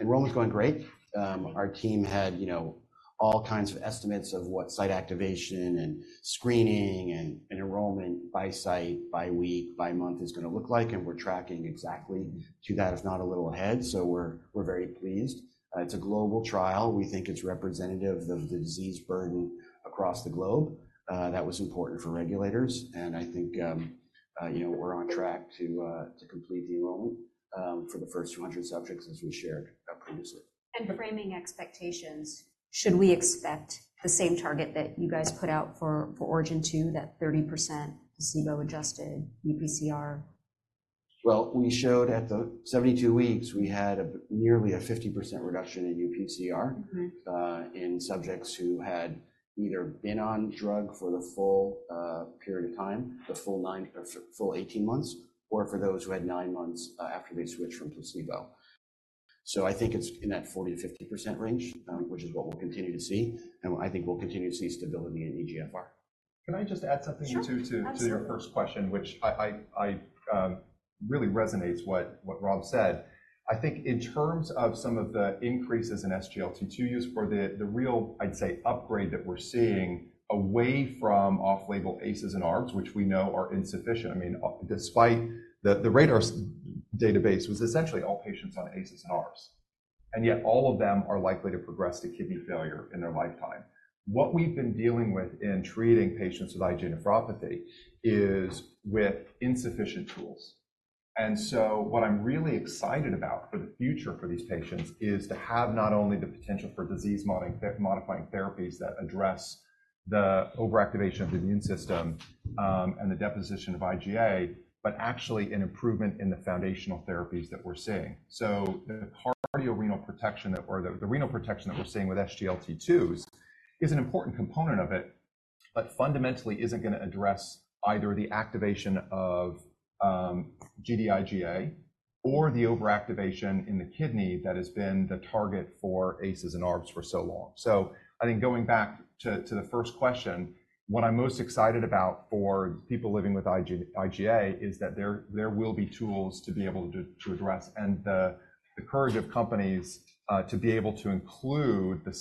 Enrollment's going great. Our team had, you know, all kinds of estimates of what site activation and screening and, and enrollment by site, by week, by month is going to look like. We're tracking exactly to that, if not a little ahead. We're, we're very pleased. It's a global trial. We think it's representative of the disease burden across the globe. That was important for regulators. I think, you know, we're on track to, to complete the enrollment, for the first 200 subjects, as we shared, previously. Framing expectations, should we expect the same target that you guys put out for ORIGIN-2, that 30% placebo-adjusted UPCR? Well, we showed at the 72 weeks, we had a nearly a 50% reduction in UPCR, in subjects who had either been on drug for the full period of time, the full nine or full 18 months, or for those who had nine months after they switched from placebo. So I think it's in that 40%-50% range, which is what we'll continue to see. I think we'll continue to see stability in eGFR. Can I just add something to your first question, which I really resonates with what Rob said? I think in terms of some of the increases in SGLT2 use for the real, I'd say, upgrade that we're seeing away from off-label ACEs and ARBs, which we know are insufficient. I mean, despite the RADAR database was essentially all patients on ACEs and ARBs. And yet, all of them are likely to progress to kidney failure in their lifetime. What we've been dealing with in treating patients with IgA nephropathy is with insufficient tools. And so what I'm really excited about for the future for these patients is to have not only the potential for disease-modifying therapies that address the overactivation of the immune system, and the deposition of IgA, but actually an improvement in the foundational therapies that we're seeing. So the renal protection that we're seeing with SGLT2s is an important component of it, but fundamentally isn't going to address either the activation of Gd-IgA1 or the overactivation in the kidney that has been the target for ACEs and ARBs for so long. So I think going back to the first question, what I'm most excited about for people living with IgA is that there will be tools to be able to address and the courage of companies to be able to include the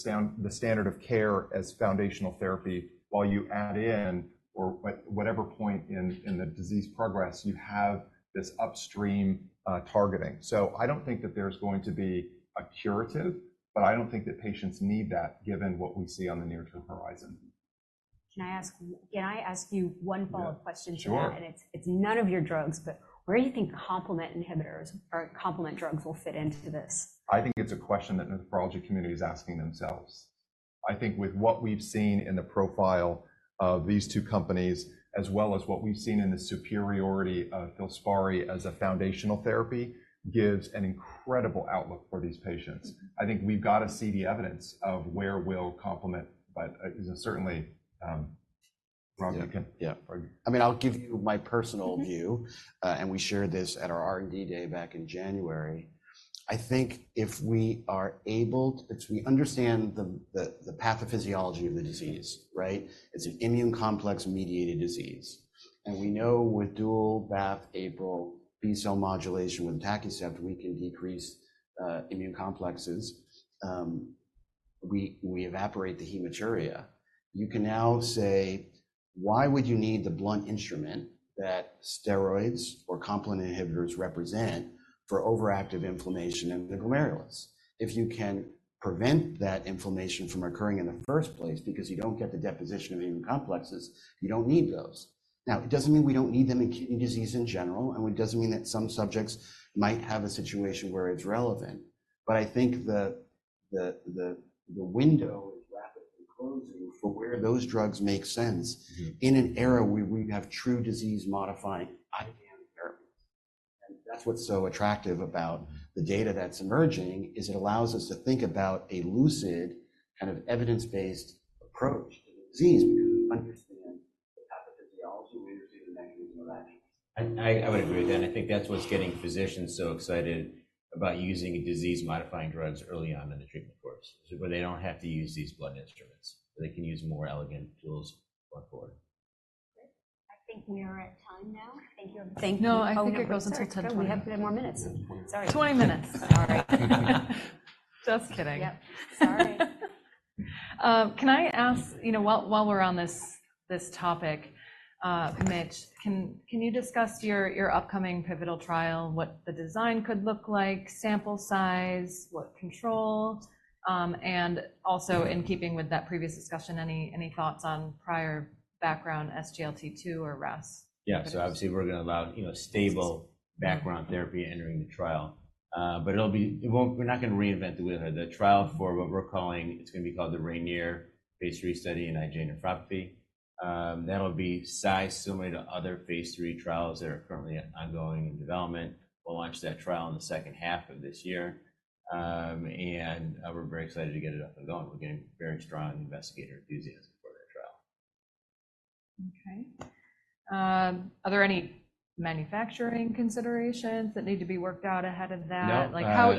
standard of care as foundational therapy while you add in or whatever point in the disease progress you have this upstream targeting. So I don't think that there's going to be a curative, but I don't think that patients need that given what we see on the near-term horizon. Can I ask you one follow-up question to that? Sure. It's none of your drugs, but where do you think complement inhibitors or complement drugs will fit into this? I think it's a question that the nephrology community is asking themselves. I think with what we've seen in the profile of these two companies, as well as what we've seen in the superiority of FILSPARI as a foundational therapy, gives an incredible outlook for these patients. I think we've got to see the evidence of where we'll complement, but certainly, Rob, you can. Yeah. I mean, I'll give you my personal view. And we shared this at our R&D day back in January. I think if we are able to, if we understand the pathophysiology of the disease, right, it's an immune complex-mediated disease. And we know with dual BAFF/APRIL B-cell modulation with atacicept is safe, we can decrease immune complexes. We evaporate the hematuria. You can now say, why would you need the blunt instrument that steroids or complement inhibitors represent for overactive inflammation in the glomerulus? If you can prevent that inflammation from occurring in the first place because you don't get the deposition of immune complexes, you don't need those. Now, it doesn't mean we don't need them in kidney disease in general. And it doesn't mean that some subjects might have a situation where it's relevant. But I think the window is rapidly closing for where those drugs make sense in an era where we have true disease-modifying IgAN therapies. And that's what's so attractive about the data that's emerging is it allows us to think about a lucid kind of evidence-based approach to the disease because we understand the pathophysiology, we understand the mechanism of action. I would agree with that. And I think that's what's getting physicians so excited about using disease-modifying drugs early on in the treatment course where they don't have to use these blunt instruments. They can use more elegant tools going forward. Great. I think we are at time now. Thank you. Thank you. No, I think it goes until 10:20. We have 10 more minutes. Sorry. 20 minutes. All right. Just kidding. Yep. Sorry. Can I ask, you know, while we're on this topic, Mitch, can you discuss your upcoming pivotal trial, what the design could look like, sample size, what control, and also in keeping with that previous discussion, any thoughts on prior background SGLT2 or RAAS? Yeah. So obviously, we're going to allow, you know, stable background therapy entering the trial. But it'll be, it won't, we're not going to reinvent the wheel here. The trial for what we're calling, it's going to be called the Rainier Phase III Study in IgAN. That'll be size similar to other Phase III trials that are currently ongoing in development. We'll launch that trial in the second half of this year. And, we're very excited to get it up and going. We're getting very strong investigator enthusiasm for that trial. Okay. Are there any manufacturing considerations that need to be worked out ahead of that? No. Like how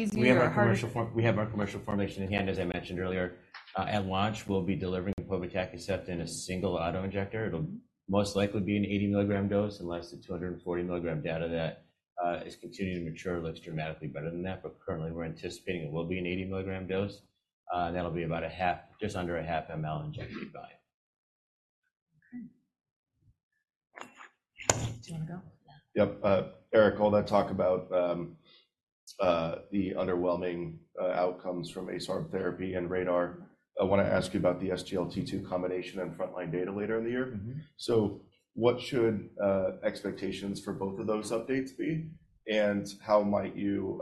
easy or hard? We have our commercial formulation in hand, as I mentioned earlier. At launch, we'll be delivering povetacicept in a single autoinjector. It'll most likely be an 80 mg dose unless the 240 mg data that is continuing to mature looks dramatically better than that. But currently, we're anticipating it will be an 80 mg dose. That'll be about a half, just under a half ml inject volume. Okay. Do you want to go? Yep. Eric, I'll talk about the underwhelming outcomes from ACE/ARB therapy and RADAR. I want to ask you about the SGLT2 combination and frontline data later in the year. So what should expectations for both of those updates be? And how might you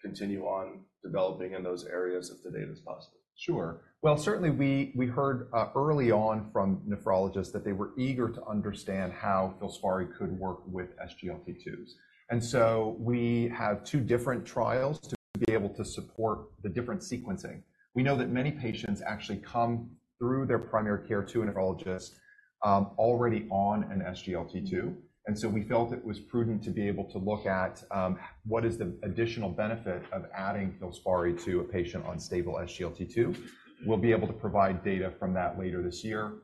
continue on developing in those areas if the data is positive? Sure. Well, certainly, we heard early on from nephrologists that they were eager to understand how FILSPARI could work with SGLT2s. And so we have two different trials to be able to support the different sequencing. We know that many patients actually come through their primary care to a nephrologist, already on an SGLT2. And so we felt it was prudent to be able to look at what is the additional benefit of adding FILSPARI to a patient on stable SGLT2? We'll be able to provide data from that later this year,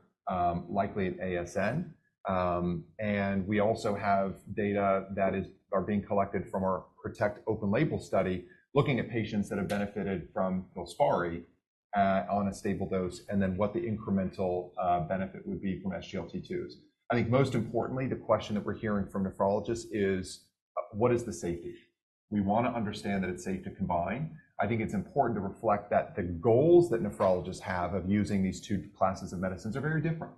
likely at ASN. We also have data that is being collected from our PROTECT Open-Label study, looking at patients that have benefited from FILSPARI, on a stable dose, and then what the incremental benefit would be from SGLT2s. I think most importantly, the question that we're hearing from nephrologists is, what is the safety? We want to understand that it's safe to combine. I think it's important to reflect that the goals that nephrologists have of using these two classes of medicines are very different.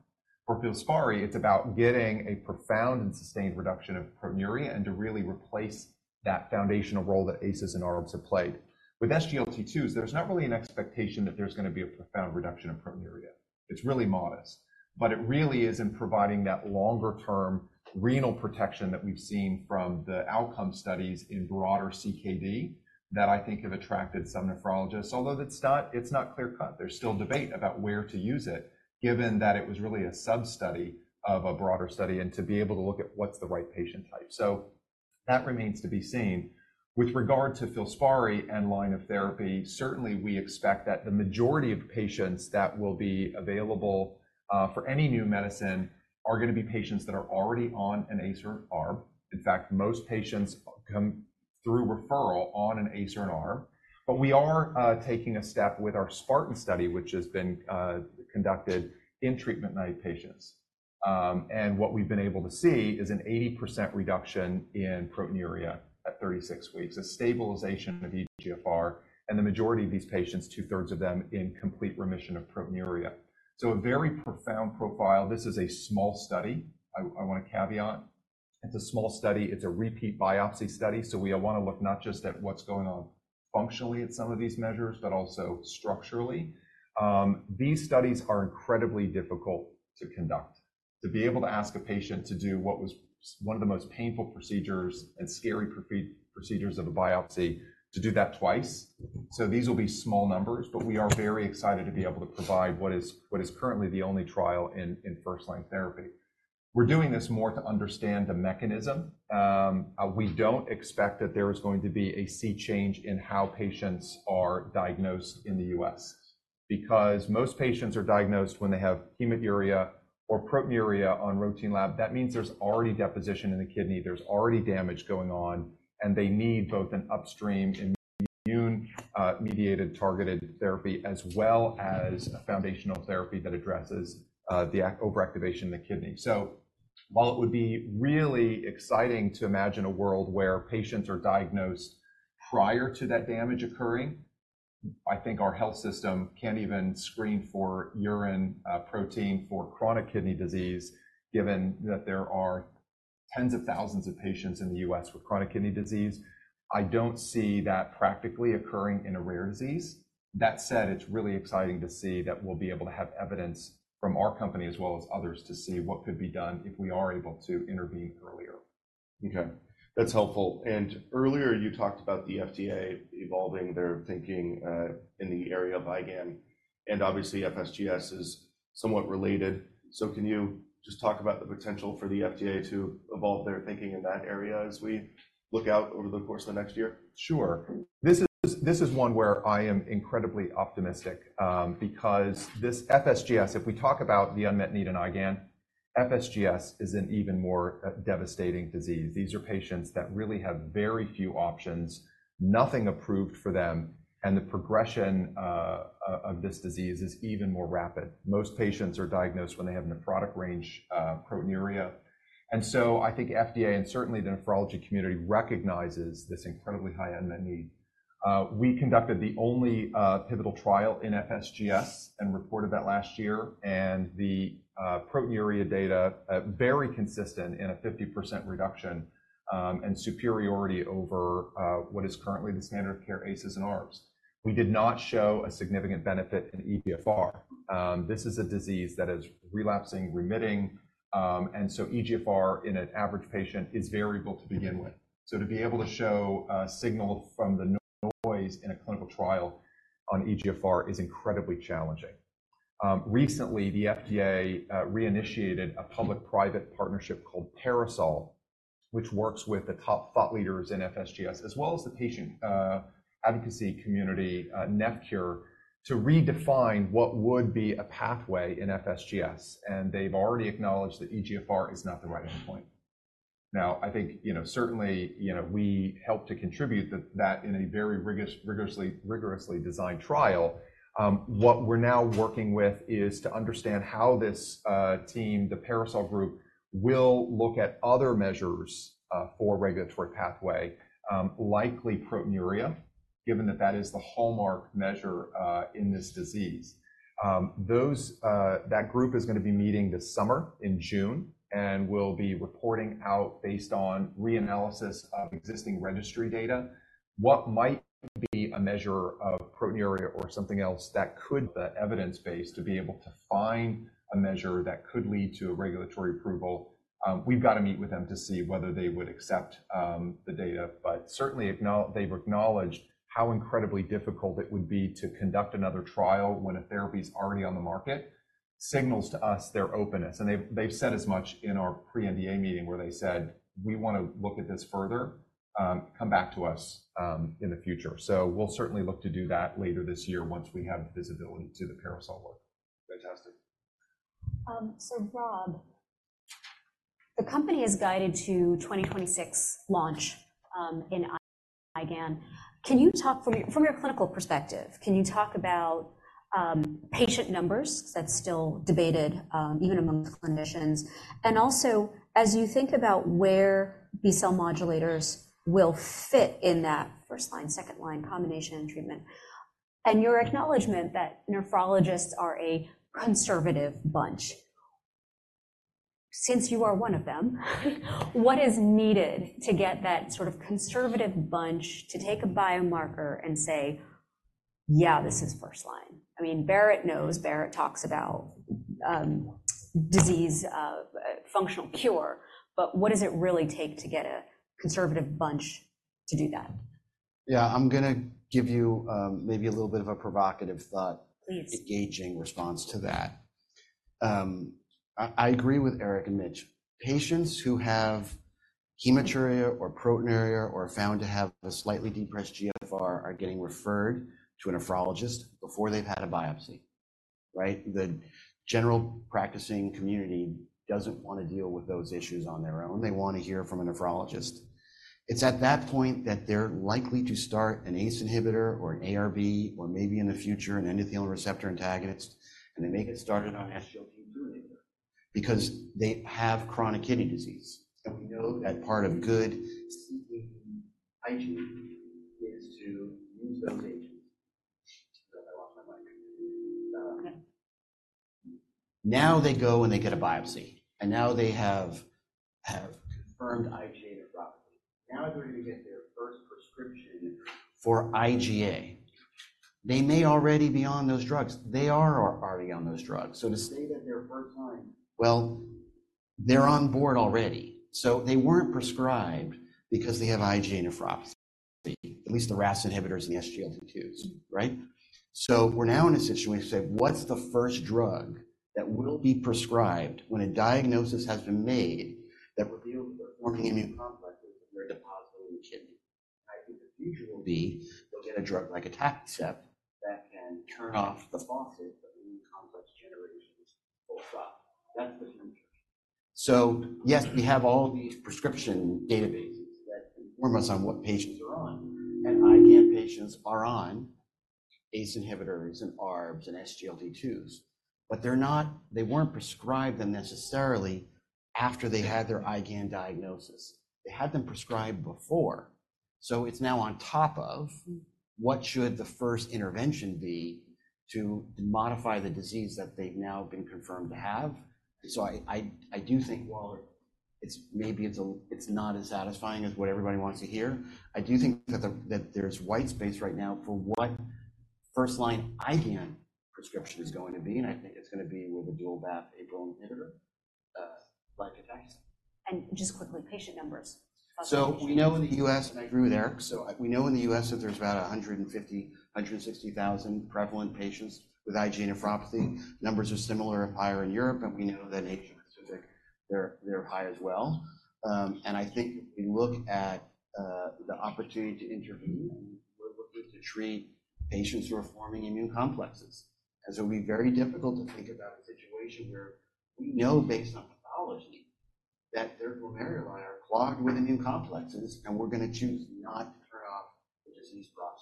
For FILSPARI, it's about getting a profound and sustained reduction of proteinuria and to really replace that foundational role that ACEs and ARBs have played. With SGLT2s, there's not really an expectation that there's going to be a profound reduction of proteinuria. It's really modest. But it really is in providing that longer-term renal protection that we've seen from the outcome studies in broader CKD that I think have attracted some nephrologists, although it's not, it's not clear-cut. There's still debate about where to use it, given that it was really a sub-study of a broader study and to be able to look at what's the right patient type. So that remains to be seen. With regard to FILSPARI and line of therapy, certainly, we expect that the majority of patients that will be available, for any new medicine are going to be patients that are already on an ACE or an ARB. In fact, most patients come through referral on an ACE or an ARB. But we are, taking a step with our SPARTAN study, which has been, conducted in treatment-naïve patients. What we've been able to see is an 80% reduction in proteinuria at 36 weeks, a stabilization of eGFR, and the majority of these patients, two-thirds of them, in complete remission of proteinuria. So a very profound profile. This is a small study. I, I want to caveat. It's a small study. It's a repeat biopsy study. So we want to look not just at what's going on functionally at some of these measures, but also structurally. These studies are incredibly difficult to conduct, to be able to ask a patient to do what was one of the most painful procedures and scary procedures of a biopsy, to do that twice. So these will be small numbers, but we are very excited to be able to provide what is, what is currently the only trial in, in first-line therapy. We're doing this more to understand the mechanism. We don't expect that there is going to be a sea change in how patients are diagnosed in the U.S. because most patients are diagnosed when they have hematuria or proteinuria on routine lab. That means there's already deposition in the kidney. There's already damage going on. And they need both an upstream immune-mediated targeted therapy as well as a foundational therapy that addresses the overactivation in the kidney. So while it would be really exciting to imagine a world where patients are diagnosed prior to that damage occurring, I think our health system can't even screen for urine protein for chronic kidney disease, given that there are tens of thousands of patients in the U.S. with chronic kidney disease. I don't see that practically occurring in a rare disease. That said, it's really exciting to see that we'll be able to have evidence from our company as well as others to see what could be done if we are able to intervene earlier. Okay. That's helpful. And earlier, you talked about the FDA evolving their thinking, in the area of IgAN. And obviously, FSGS is somewhat related. So can you just talk about the potential for the FDA to evolve their thinking in that area as we look out over the course of the next year? Sure. This is, this is one where I am incredibly optimistic, because this FSGS, if we talk about the unmet need in IgAN, FSGS is an even more devastating disease. These are patients that really have very few options, nothing approved for them. And the progression, of this disease is even more rapid. Most patients are diagnosed when they have nephrotic range, proteinuria. And so I think the FDA and certainly the nephrology community recognizes this incredibly high unmet need. We conducted the only pivotal trial in FSGS and reported that last year. And the proteinuria data, very consistent in a 50% reduction, and superiority over what is currently the standard of care ACEs and ARBs. We did not show a significant benefit in eGFR. This is a disease that is relapsing, remitting. And so eGFR in an average patient is variable to begin with. So to be able to show a signal from the noise in a clinical trial on eGFR is incredibly challenging. Recently, the FDA reinitiated a public-private partnership called Parasol, which works with the top thought leaders in FSGS as well as the patient advocacy community, NephCure, to redefine what would be a pathway in FSGS. And they've already acknowledged that eGFR is not the right endpoint. Now, I think, you know, certainly, you know, we helped to contribute that, that in a very rigorously, rigorously designed trial. What we're now working with is to understand how this, team, the Parasol group, will look at other measures, for regulatory pathway, likely proteinuria, given that that is the hallmark measure, in this disease. Those, that group is going to be meeting this summer in June and will be reporting out based on reanalysis of existing registry data. What might be a measure of proteinuria or something else that could. The evidence base to be able to find a measure that could lead to a regulatory approval. We've got to meet with them to see whether they would accept, the data. But certainly, they've acknowledged how incredibly difficult it would be to conduct another trial when a therapy is already on the market signals to us their openness. They've said as much in our pre-NDA meeting where they said, "We want to look at this further. Come back to us in the future." So we'll certainly look to do that later this year once we have visibility to the Parasol work. Fantastic. So Rob, the company is guided to 2026 launch, in IGAN. Can you talk from your, from your clinical perspective? Can you talk about, patient numbers? That's still debated, even amongst clinicians. And also, as you think about where B-cell modulators will fit in that first-line, second-line combination treatment and your acknowledgment that nephrologists are a conservative bunch, since you are one of them, what is needed to get that sort of conservative bunch to take a biomarker and say, "Yeah, this is first-line"? I mean, Barrett knows, Barrett talks about, disease, functional cure. But what does it really take to get a conservative bunch to do that? Yeah. I'm going to give you, maybe a little bit of a provocative thought. Please. Engaging response to that. I, I agree with Eric and Mitch. Patients who have hematuria or proteinuria or are found to have a slightly depressed GFR are getting referred to a nephrologist before they've had a biopsy, right? The general practicing community doesn't want to deal with those issues on their own. They want to hear from a nephrologist. It's at that point that they're likely to start an ACE inhibitor or an ARB or maybe in the future an endothelin receptor antagonist. And they make it started on SGLT2 inhibitor because they have chronic kidney disease. And we know that part of good CKD hygiene is to use those agents. Now they go and they get a biopsy. And now they have, have confirmed IgA nephropathy. Now they're going to get their first prescription. For IgA. They may already be on those drugs. They are already on those drugs. So to say that they're first-line. Well, they're on board already. So they weren't prescribed because they have IgA nephropathy, at least the RAS inhibitors and the SGLT2s, right? So we're now in a situation where we say, "What's the first drug that will be prescribed when a diagnosis has been made that reveals that they're forming immune complexes and they're depositing in the kidney?" And I think the future will be they'll get a drug like atacicept that can turn off the faucet that immune complex generation holds off. That's the future. So yes, we have all these prescription databases that inform us on what patients are on. And IgAN patients are on ACE inhibitors and ARBs and SGLT2s. But they're not, they weren't prescribed them necessarily after they had their IgAN diagnosis. They had them prescribed before. So it's now on top of what should the first intervention be to modify the disease that they've now been confirmed to have. I do think while it's maybe it's a, it's not as satisfying as what everybody wants to hear, I do think that there's white space right now for what first-line IgAN prescription is going to be. And I think it's going to be with a dual BAFF APRIL inhibitor, like atacicept. Just quickly, patient numbers. So we know in the U.S., and I agree with Eric. So we know in the U.S. that there's about 150,000-160,000 prevalent patients with IgA nephropathy. Numbers are similar and higher in Europe. We know that in Asia Pacific, they're high as well. And I think if we look at the opportunity to intervene, we're looking to treat patients who are forming immune complexes. And so it'd be very difficult to think about a situation where we know based on pathology that their glomeruli are clogged with immune complexes. And we're going to choose not to turn off the disease process.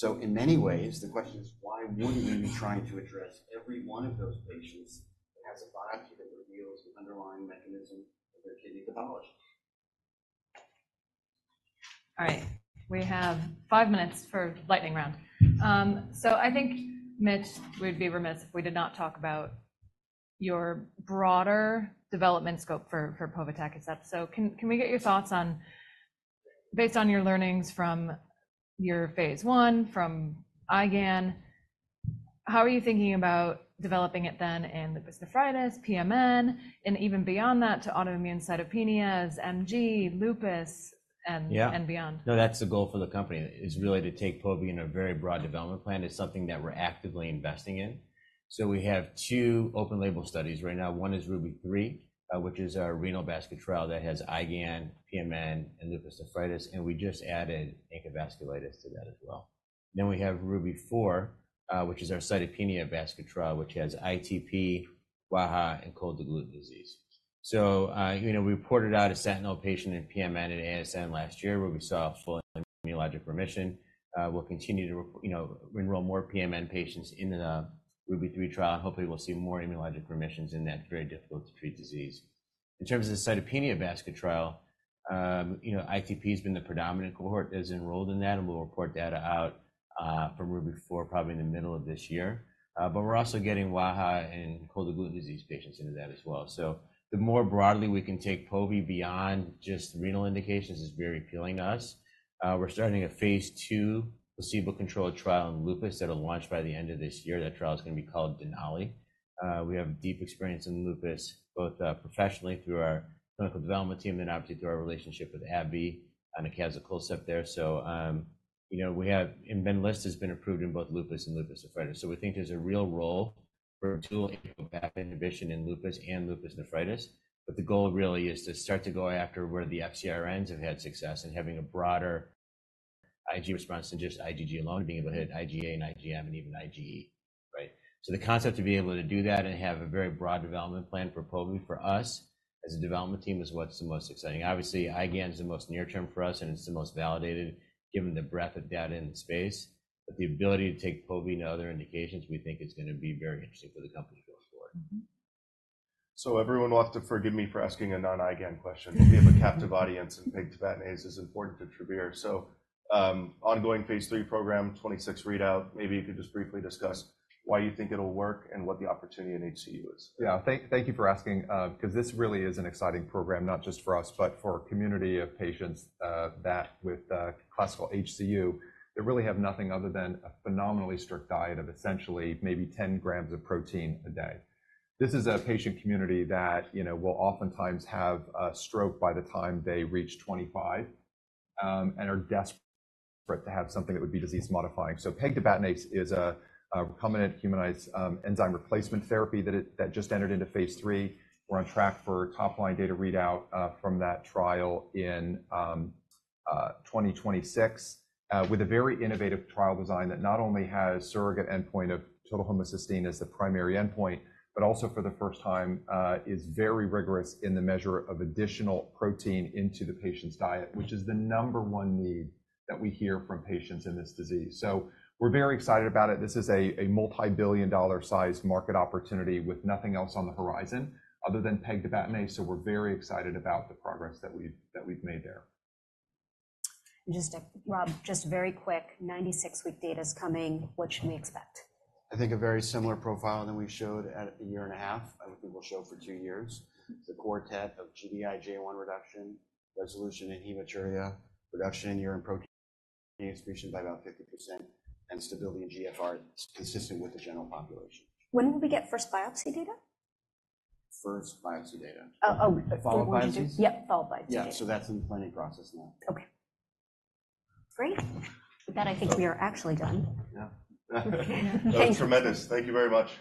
So in many ways, the question is, why wouldn't we be trying to address every one of those patients that has a biopsy that reveals the underlying mechanism of their kidney pathology? All right. We have five minutes for lightning round. So I think, Mitch, we'd be remiss if we did not talk about your broader development scope for, for povetacicept, is that. So can, can we get your thoughts on, based on your learnings from your Phase I from IgAN, how are you thinking about developing it then in lupus nephritis, PMN, and even beyond that to autoimmune cytopenias, MG, lupus, and, and beyond? Yeah. No, that's the goal for the company is really to take POVA in a very broad development plan. It's something that we're actively investing in. So we have two open-label studies right now. One is RUBY-3, which is our renal basket trial that has IgAN, PMN, and lupus nephritis. And we just added ANCA vasculitis to that as well. Then we have RUBY-4, which is our cytopenia basket trial, which has ITP, WAHA, and cold agglutinin disease. So, you know, we reported out a sentinel patient in PMN and ASN last year where we saw full immunologic remission. We'll continue to, you know, enroll more PMN patients in the RUBY-3 trial. And hopefully, we'll see more immunologic remissions in that very difficult-to-treat disease. In terms of the cytopenia basket trial, you know, ITP has been the predominant cohort that's enrolled in that. We'll report data out from RUBY-4 probably in the middle of this year. But we're also getting WAHA and cold agglutinin disease patients into that as well. So the more broadly we can take POVA beyond just renal indications is very appealing to us. We're starting a Phase II placebo-controlled trial in lupus that'll launch by the end of this year. That trial is going to be called Denali. We have deep experience in lupus, both professionally through our clinical development team and obviously through our relationship with AbbVie and a CSL collab there. So, you know, and Benlysta has been approved in both lupus and lupus nephritis. So we think there's a real role for dual BAFF/APRIL inhibition in lupus and lupus nephritis. But the goal really is to start to go after where the FcRNs have had success and having a broader Ig response than just IgG alone and being able to hit IgA and IgM and even IgE, right? So the concept to be able to do that and have a very broad development plan for POVA for us as a development team is what's the most exciting. Obviously, IgAN is the most near-term for us. And it's the most validated given the breadth of data in the space. But the ability to take POVA and other indications, we think it's going to be very interesting for the company to go forward. So everyone wants to forgive me for asking a non-IgAN question. We have a captive audience and piggybacking is important to Travere. So, ongoing Phase III program, 2026 readout. Maybe you could just briefly discuss why you think it'll work and what the opportunity in HCU is. Yeah. Thank, thank you for asking, because this really is an exciting program, not just for us, but for a community of patients, that with, classical HCU, that really have nothing other than a phenomenally strict diet of essentially maybe 10 grams of protein a day. This is a patient community that, you know, will oftentimes have a stroke by the time they reach 25, and are desperate to have something that would be disease-modifying. So pegtibatinase is a, a recombinant humanized, enzyme replacement therapy that it, that just entered into Phase III. We're on track for top-line data readout from that trial in 2026, with a very innovative trial design that not only has surrogate endpoint of total homocysteine as the primary endpoint, but also for the first time, is very rigorous in the measure of additional protein into the patient's diet, which is the number one need that we hear from patients in this disease. So we're very excited about it. This is a multi-billion dollar sized market opportunity with nothing else on the horizon other than pegtibatinase. So we're very excited about the progress that we've made there. Rob, just very quick, 96-week data is coming. What should we expect? I think a very similar profile than we showed at 1.5 years. I think we'll show for two years. It's a quartet of Gd-IgA1 reduction, resolution in hematuria, reduction in urine protein excretion by about 50%, and stability in GFR consistent with the general population. When will we get first biopsy data? First biopsy data. Oh, oh, for one disease? Yep. Followed by two days. Yeah. So that's in the planning process now. Okay. Great. With that, I think we are actually done. Yeah. That was tremendous. Thank you very much.